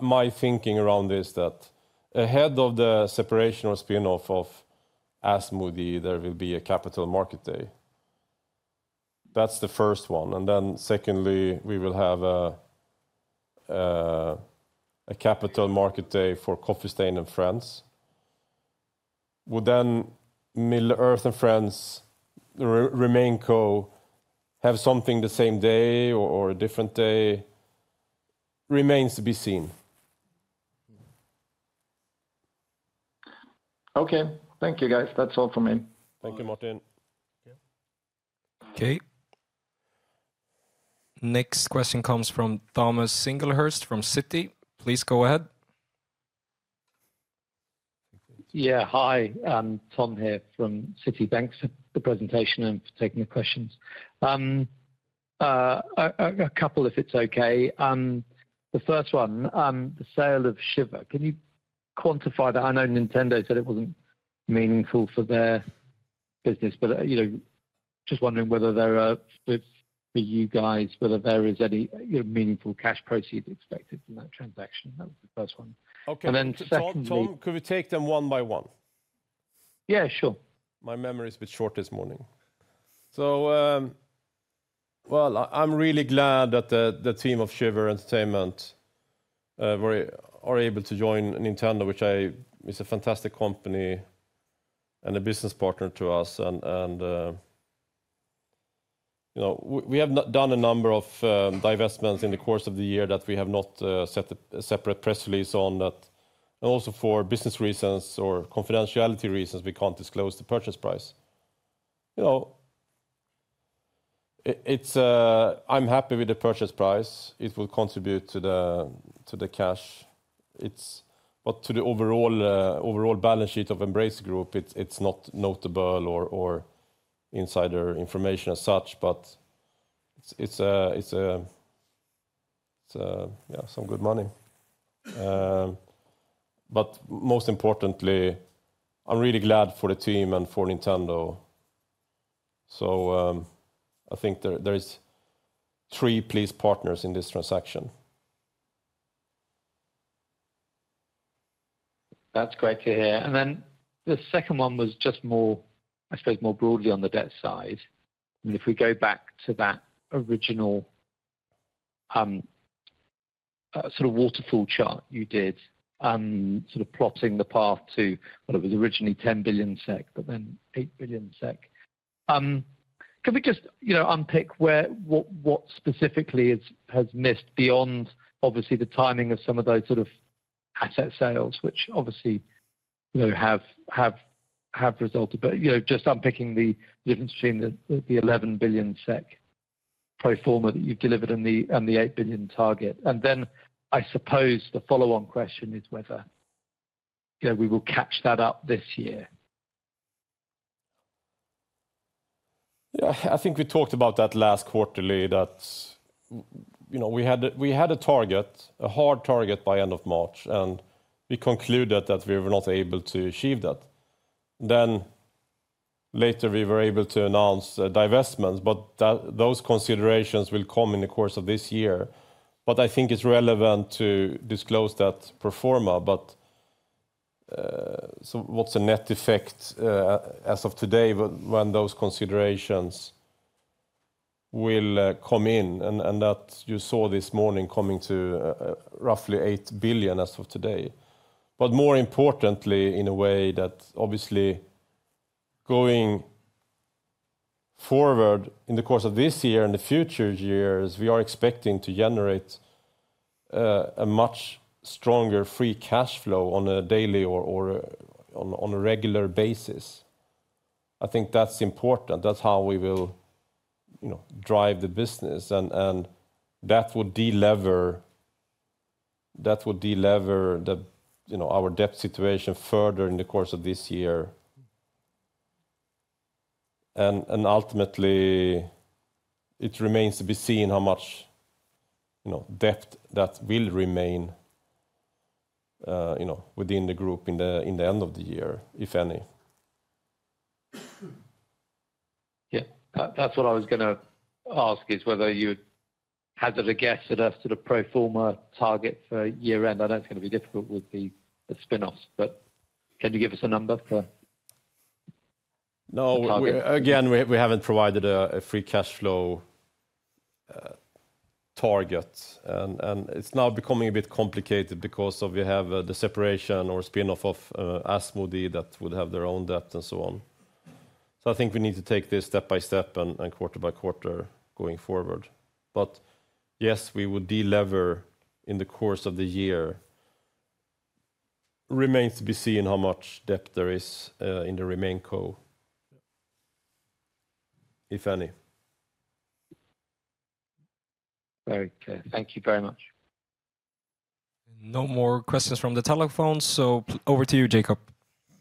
My thinking around is that ahead of the separation or spin-off of Asmodee, there will be a Capital Markets Day. That's the first one, and then secondly, we will have a Capital Markets Day for Coffee Stain & Friends. Would then Middle-earth & Friends, RemainCo, have something the same day or a different day, remains to be seen. Okay. Thank you, guys. That's all for me. Thank you, Martin. Okay. Next question comes from Thomas Singlehurst from Citi. Please go ahead. Yeah. Hi, Tom here from Citi. Thanks for the presentation and for taking the questions. A couple, if it's okay. The first one, the sale of Shiver. Can you quantify that? I know Nintendo said it wasn't meaningful for their business, but, you know, just wondering whether there are, for you guys, whether there is any, you know, meaningful cash proceed expected from that transaction? That was the first one. Okay. And then secondly- Tom, Tom, could we take them one by one? Yeah, sure. My memory is a bit short this morning. So, well, I'm really glad that the team of Shiver Entertainment are able to join Nintendo, which is a fantastic company and a business partner to us. You know, we have not done a number of divestments in the course of the year that we have not set a separate press release on that. Also, for business reasons or confidentiality reasons, we can't disclose the purchase price. You know, I'm happy with the purchase price. It will contribute to the cash. But to the overall balance sheet of Embracer Group, it's not notable or insider information as such, but it's, yeah, some good money. But most importantly, I'm really glad for the team and for Nintendo. So, I think there is three pleased partners in this transaction. That's great to hear. And then the second one was just more, I suppose, more broadly on the debt side. And if we go back to that original, sort of waterfall chart you did, sort of plotting the path to, well, it was originally 10 billion SEK, but then 8 billion SEK. Can we just, you know, unpick where, what, what specifically is, has missed beyond obviously, the timing of some of those sort of asset sales, which obviously, you know, have, have, have resulted. But, you know, just unpicking the difference between the, the 11 billion SEK pro forma that you delivered and the, and the 8 billion target. And then, I suppose the follow-on question is whether, you know, we will catch that up this year? Yeah, I think we talked about that last quarterly, that, you know, we had a target, a hard target by end of March, and we concluded that we were not able to achieve that. Then later, we were able to announce divestments, but that those considerations will come in the course of this year. But I think it's relevant to disclose that pro forma, but so what's the net effect as of today, when those considerations will come in? And that you saw this morning coming to roughly 8 billion as of today. But more importantly, in a way that obviously, going forward in the course of this year and the future years, we are expecting to generate a much stronger free cash flow on a daily or on a regular basis. I think that's important. That's how we will, you know, drive the business, and that would delever the, you know, our debt situation further in the course of this year. And ultimately, it remains to be seen how much, you know, debt that will remain, you know, within the group in the end of the year, if any. Yeah. That, that's what I was gonna ask, is whether you would hazard a guess at a sort of pro forma target for year-end. I know it's going to be difficult with the, the spin-offs, but can you give us a number for the target? No, again, we haven't provided a Free Cash Flow target, and it's now becoming a bit complicated because we have the separation or spin-off of Asmodee that would have their own debt and so on. So I think we need to take this step by step and quarter by quarter going forward. But yes, we would delever in the course of the year. Remains to be seen how much debt there is in the RemainCo, if any. Very clear. Thank you very much. No more questions from the telephone, so over to you, Jacob.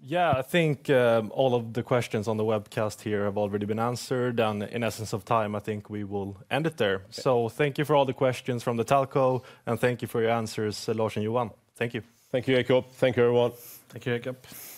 Yeah, I think all of the questions on the webcast here have already been answered, and in the interest of time, I think we will end it there. So thank you for all the questions from the telco, and thank you for your answers, Lars and Johan. Thank you. Thank you, Jacob. Thank you, everyone. Thank you, Jacob. Thank you.